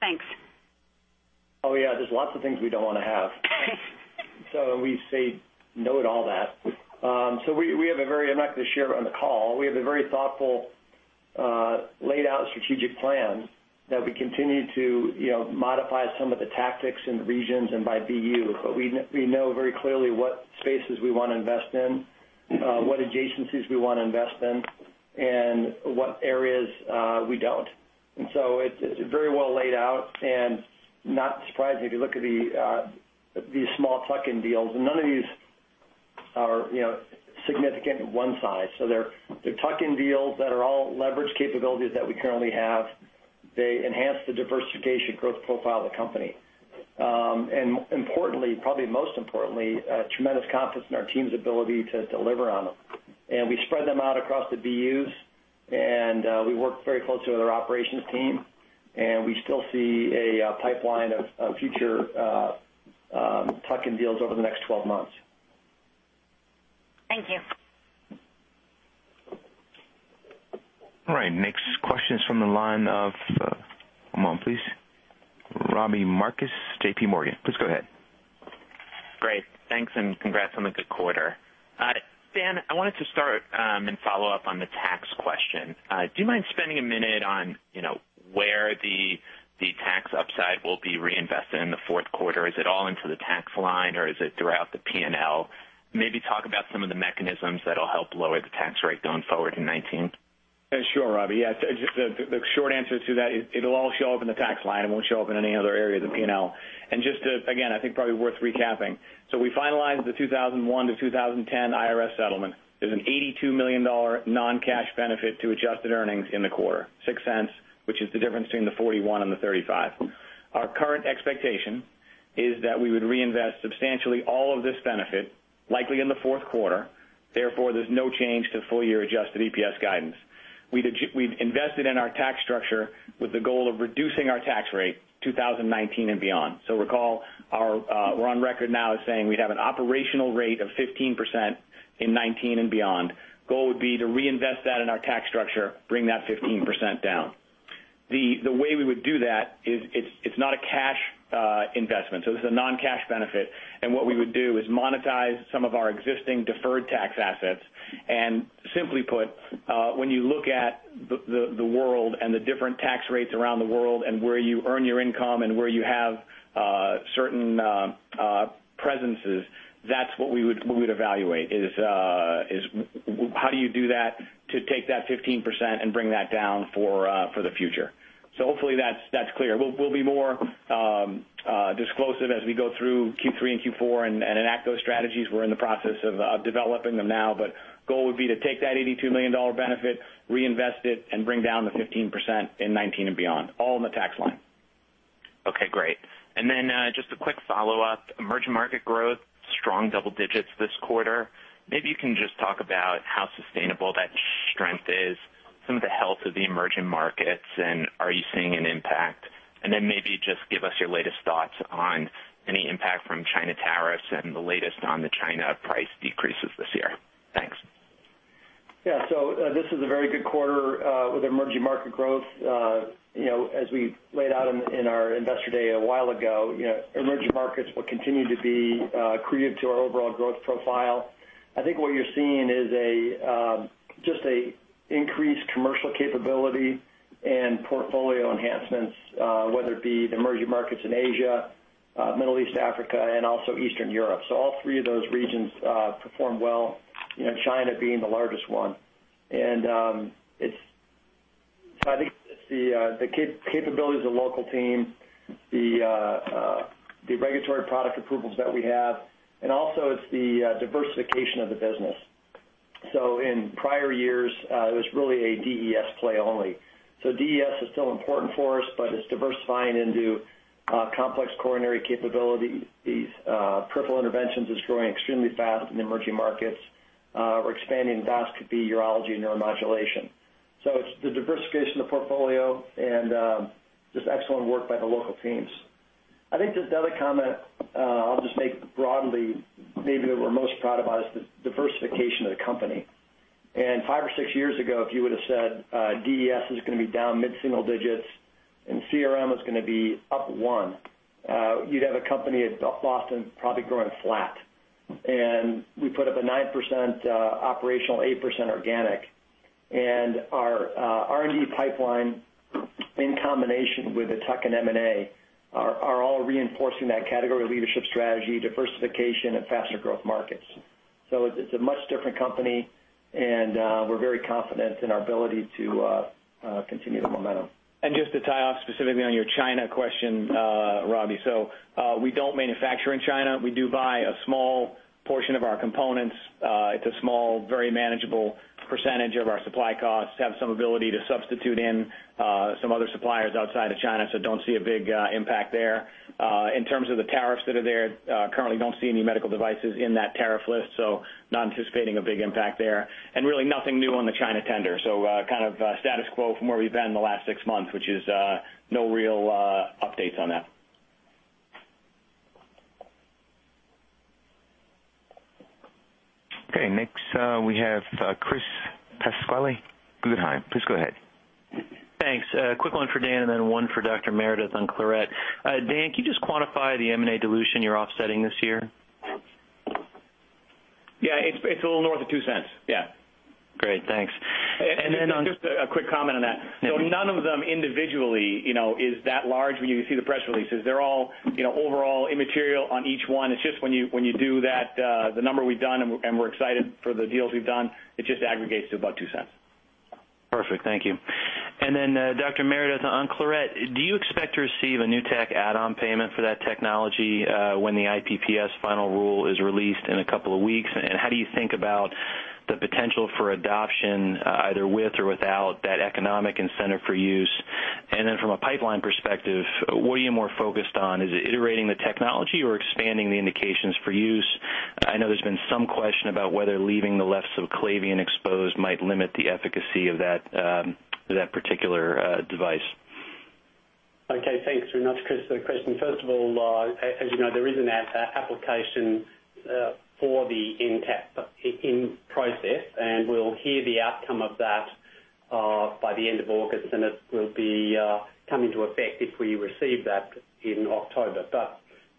Thanks. Oh, yeah. There's lots of things we don't want to have. We say no to all that. I'm not going to share on the call. We have a very thoughtful, laid out strategic plan that we continue to modify some of the tactics in the regions and by BUs, but we know very clearly what spaces we want to invest in, what adjacencies we want to invest in, and what areas we don't. It's very well laid out and not surprising if you look at these small tuck-in deals. None of these are significant one size. They're tuck-in deals that all leverage capabilities that we currently have. They enhance the diversification growth profile of the company. Importantly, probably most importantly, a tremendous confidence in our team's ability to deliver on them. We spread them out across the BUs. We work very close with our operations team, and we still see a pipeline of future tuck-in deals over the next 12 months. Thank you. All right, next question is from the line of, one moment please, Robbie Marcus, J.P. Morgan. Please go ahead. Great. Thanks and congrats on the good quarter. Dan, I wanted to start and follow up on the tax question. Do you mind spending a minute on where the tax upside will be reinvested in the fourth quarter? Is it all into the tax line, or is it throughout the P&L? Maybe talk about some of the mechanisms that'll help lower the tax rate going forward in 2019. Sure, Robbie. Yeah. The short answer to that is it'll all show up in the tax line. It won't show up in any other area of the P&L. Just to, again, I think probably worth recapping. We finalized the 2001 to 2010 IRS settlement. There's an $82 million non-cash benefit to adjusted earnings in the quarter, $0.06, which is the difference between the 41 and the 35. Our current expectation is that we would reinvest substantially all of this benefit, likely in the fourth quarter, therefore, there's no change to full year adjusted EPS guidance. We've invested in our tax structure with the goal of reducing our tax rate 2019 and beyond. Recall, we're on record now as saying we'd have an operational rate of 15% in 2019 and beyond. Goal would be to reinvest that in our tax structure, bring that 15% down. The way we would do that is it's not a cash investment. This is a non-cash benefit, and what we would do is monetize some of our existing deferred tax assets. Simply put, when you look at the world and the different tax rates around the world and where you earn your income and where you have certain presences, that's what we would evaluate, is how do you do that to take that 15% and bring that down for the future. Hopefully that's clear. We'll be more disclosive as we go through Q3 and Q4 and enact those strategies. We're in the process of developing them now, but goal would be to take that $82 million benefit, reinvest it, and bring down the 15% in 2019 and beyond, all in the tax line. Okay, great. Then, just a quick follow-up. Emerging market growth, strong double-digits this quarter. Maybe you can just talk about how sustainable that strength is, some of the health of the emerging markets, and are you seeing an impact? Then maybe just give us your latest thoughts on any impact from China tariffs and the latest on the China price decreases this year. Thanks. Yeah. This is a very good quarter with emerging market growth. As we laid out in our investor day a while ago, emerging markets will continue to be accretive to our overall growth profile. I think what you're seeing is just an increased commercial capability and portfolio enhancements, whether it be the emerging markets in Asia, Middle East, Africa, and also Eastern Europe. All three of those regions performed well, China being the largest one. I think it's the capabilities of the local team, the regulatory product approvals that we have, and also it's the diversification of the business. In prior years, it was really a DES play only. DES is still important for us, but it's diversifying into complex coronary capabilities. Peripheral interventions is growing extremely fast in emerging markets. We're expanding endoscopy, urology, and neuromodulation. It's the diversification of the portfolio and just excellent work by the local teams. I think just the other comment I'll just make broadly, maybe what we're most proud about is the diversification of the company. Five or six years ago, if you would've said DES is going to be down mid-single digits and CRM is going to be up 1%, you'd have a company at Boston probably growing flat. We put up a 9% operational, 8% organic. Our R&D pipeline, in combination with the tuck-in M&A, are all reinforcing that category leadership strategy, diversification, and faster growth markets. It's a much different company, and we're very confident in our ability to continue the momentum. Just to tie off specifically on your China question, Robbie, we don't manufacture in China. We do buy a small portion of our components. It's a small, very manageable percentage of our supply costs. Have some ability to substitute in some other suppliers outside of China, don't see a big impact there. In terms of the tariffs that are there, currently don't see any medical devices in that tariff list, not anticipating a big impact there. Really nothing new on the China tender. Kind of status quo from where we've been the last six months, which is no real updates on that. Okay, next we have Chris Pasquale, Guggenheim. Please go ahead. Thanks. A quick one for Dan and then one for Dr. Meredith on Claret. Dan, can you just quantify the M&A dilution you're offsetting this year? Yeah. It's a little north of $0.02. Yeah. Great. Thanks. Just a quick comment on that. Yeah. None of them individually is that large when you see the press releases. They are all overall immaterial on each one. It is just when you do that, the number we have done, and we are excited for the deals we have done, it just aggregates to about $0.02. Perfect. Thank you. Then Dr. Meredith, on Claret, do you expect to receive a new tech add-on payment for that technology when the IPPS final rule is released in a couple of weeks? How do you think about the potential for adoption, either with or without that economic incentive for use? Then from a pipeline perspective, what are you more focused on? Is it iterating the technology or expanding the indications for use? I know there has been some question about whether leaving the left subclavian exposed might limit the efficacy of that particular device. Thanks very much, Chris, for the question. First of all, as you know, there is an application for the NTAP in process, we will hear the outcome of that by the end of August, it will be come into effect if we receive that in October.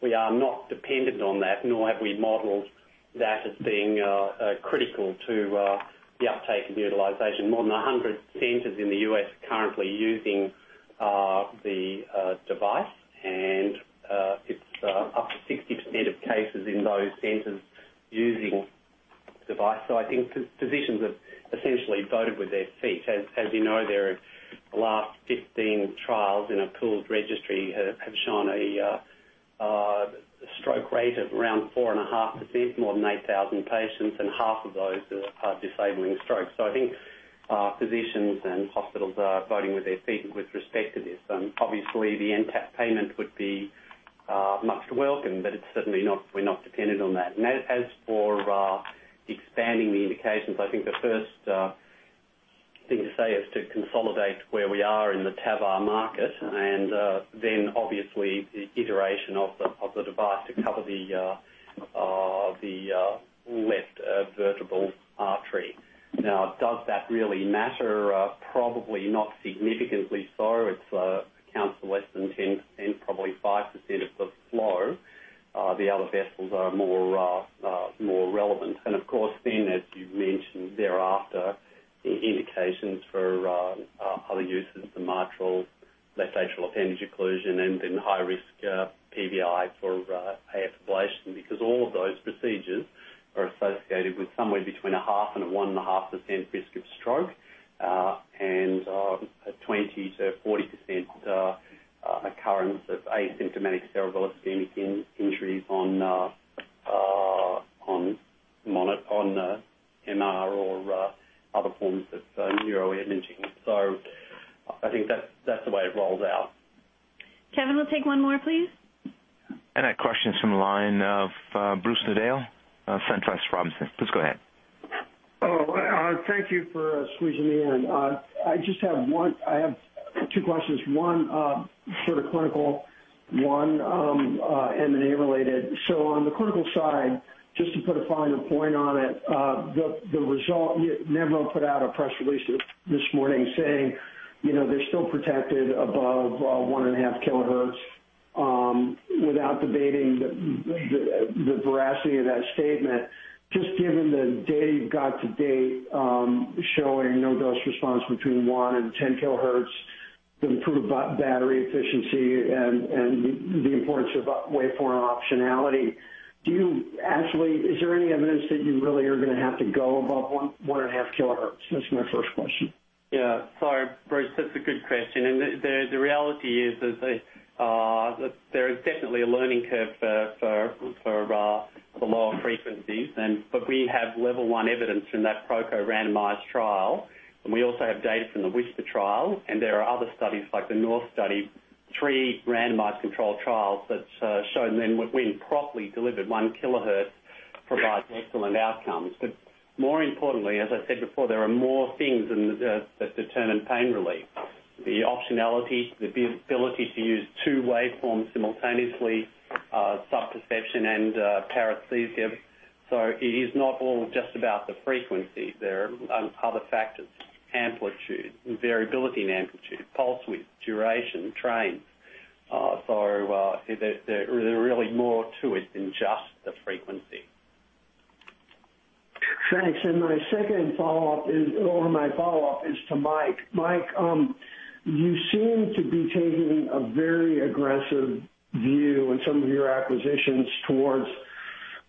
We are not dependent on that, nor have we modeled that as being critical to the uptake and utilization. More than 100 centers in the U.S. are currently using the device, and it is up to 60% of cases in those centers using the device. I think physicians have essentially voted with their feet. As you know, their last 15 trials in a pooled registry have shown a stroke rate of around 4.5%, more than 8,000 patients, and half of those are disabling strokes. I think physicians and hospitals are voting with their feet with respect to this. Obviously, the NTAP payment would be much welcomed, but we are not dependent on that. As for expanding the indications, I think the first thing to say is to consolidate where we are in the TAVR market then obviously the iteration of the device to cover the left vertebral artery. Does that really matter? Probably not significantly so. It accounts for less than 10%, probably 5% of the flow. The other vessels are more relevant. Of course, then as you mentioned thereafter, the indications for other uses, the mitral, left atrial appendage occlusion, then high-risk PVI for AF ablation. All of those procedures are associated with somewhere between a half and a 1.5% risk of stroke, and 20%-40% occurrence of asymptomatic cerebral ischemic injuries on MRI or other forms of neuroimaging. I think that is the way it rolls out. Kevin, we'll take one more, please. That question is from the line of Bruce Nudell of SunTrust Robinson Humphrey. Please go ahead. Thank you for squeezing me in. I have 2 questions. One sort of clinical, one M&A-related. On the clinical side, just to put a finer point on it, the result, Nevro put out a press release this morning saying they're still protected above 1.5 kilohertz. Without debating the veracity of that statement, just given the data you've got to date, showing no dose response between 1 and 10 kilohertz, the improved battery efficiency, and the importance of waveform optionality. Actually, is there any evidence that you really are going to have to go above 1.5 kilohertz? That's my first question. Sorry, Bruce. That's a good question, and the reality is that there is definitely a learning curve for the lower frequencies, but we have level 1 evidence in that PROCO randomized trial, and we also have data from the WHISPER trial, and there are other studies like the North study. 3 randomized controlled trials that shown when properly delivered, 1 kilohertz provides excellent outcomes. More importantly, as I said before, there are more things that determine pain relief. The optionality, the ability to use 2 waveforms simultaneously, sub-perception and paresthesia. It is not all just about the frequency. There are other factors. Amplitude, variability in amplitude, pulse width, duration, train. There's really more to it than just the frequency. Thanks. My second follow-up is to Mike. Mike, you seem to be taking a very aggressive view in some of your acquisitions towards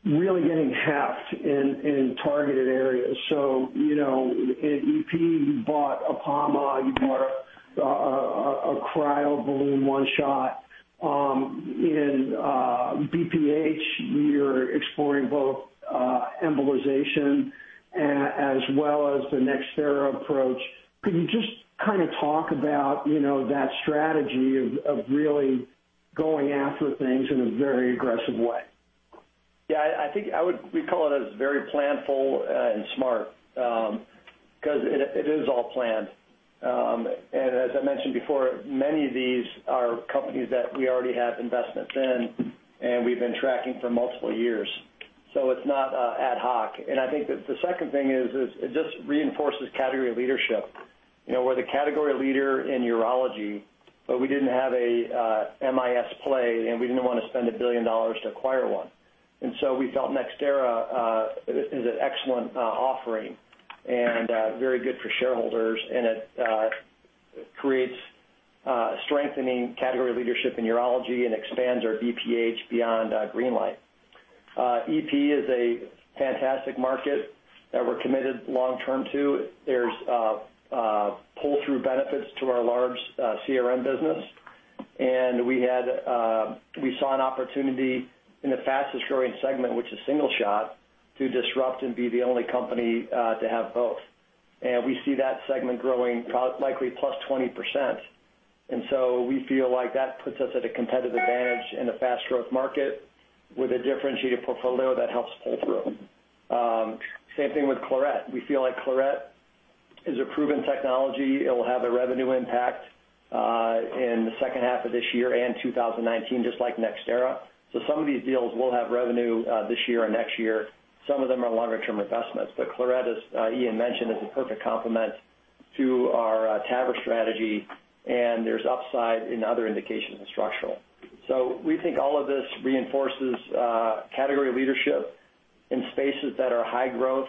really getting heft in targeted areas. In EP, you bought Apama, you bought a cryoballoon One-Shot. In BPH, you're exploring both embolization as well as the NxThera approach. Could you just talk about that strategy of really going after things in a very aggressive way? Yeah. I think we call it as very planful and smart, because it is all planned. As I mentioned before, many of these are companies that we already have investments in and we've been tracking for multiple years. It's not ad hoc. I think that the second thing is it just reinforces category leadership. We're the category leader in urology, but we didn't have a MIS play, and we didn't want to spend $1 billion to acquire one. We felt NxThera is an excellent offering and very good for shareholders, and it creates strengthening category leadership in urology and expands our BPH beyond GreenLight. EP is a fantastic market that we're committed long term to. There's pull-through benefits to our large CRM business. We saw an opportunity in the fastest-growing segment, which is single shot, to disrupt and be the only company to have both. We see that segment growing likely +20%. We feel like that puts us at a competitive advantage in a fast-growth market with a differentiated portfolio that helps pull through. Same thing with Claret. We feel like Claret is a proven technology. It will have a revenue impact in the second half of this year and 2019, just like NxThera. Some of these deals will have revenue this year and next year. Some of them are longer-term investments. Claret, as Ian mentioned, is a perfect complement to our TAVR strategy, and there's upside in other indications in structural. We think all of this reinforces category leadership in spaces that are high growth,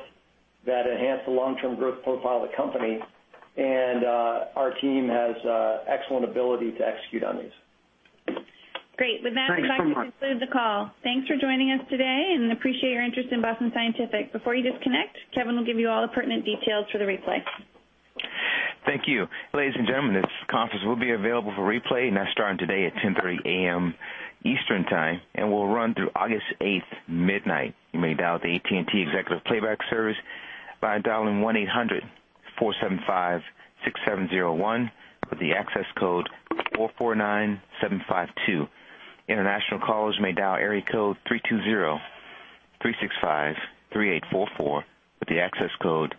that enhance the long-term growth profile of the company. Our team has excellent ability to execute on these. Great. Thanks so much we'd like to conclude the call. Thanks for joining us today, and appreciate your interest in Boston Scientific. Before you disconnect, Kevin will give you all the pertinent details for the replay. Thank you. Ladies and gentlemen, this conference will be available for replay, starting today at 10:30 A.M. Eastern Time, and will run through August 8th, midnight. You may dial the AT&T Executive Playback Service by dialing 1-800-475-6701 with the access code 449752. International callers may dial area code 3203653844 with the access code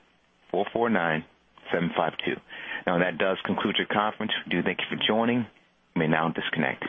449752. That does conclude your conference. We do thank you for joining. You may now disconnect.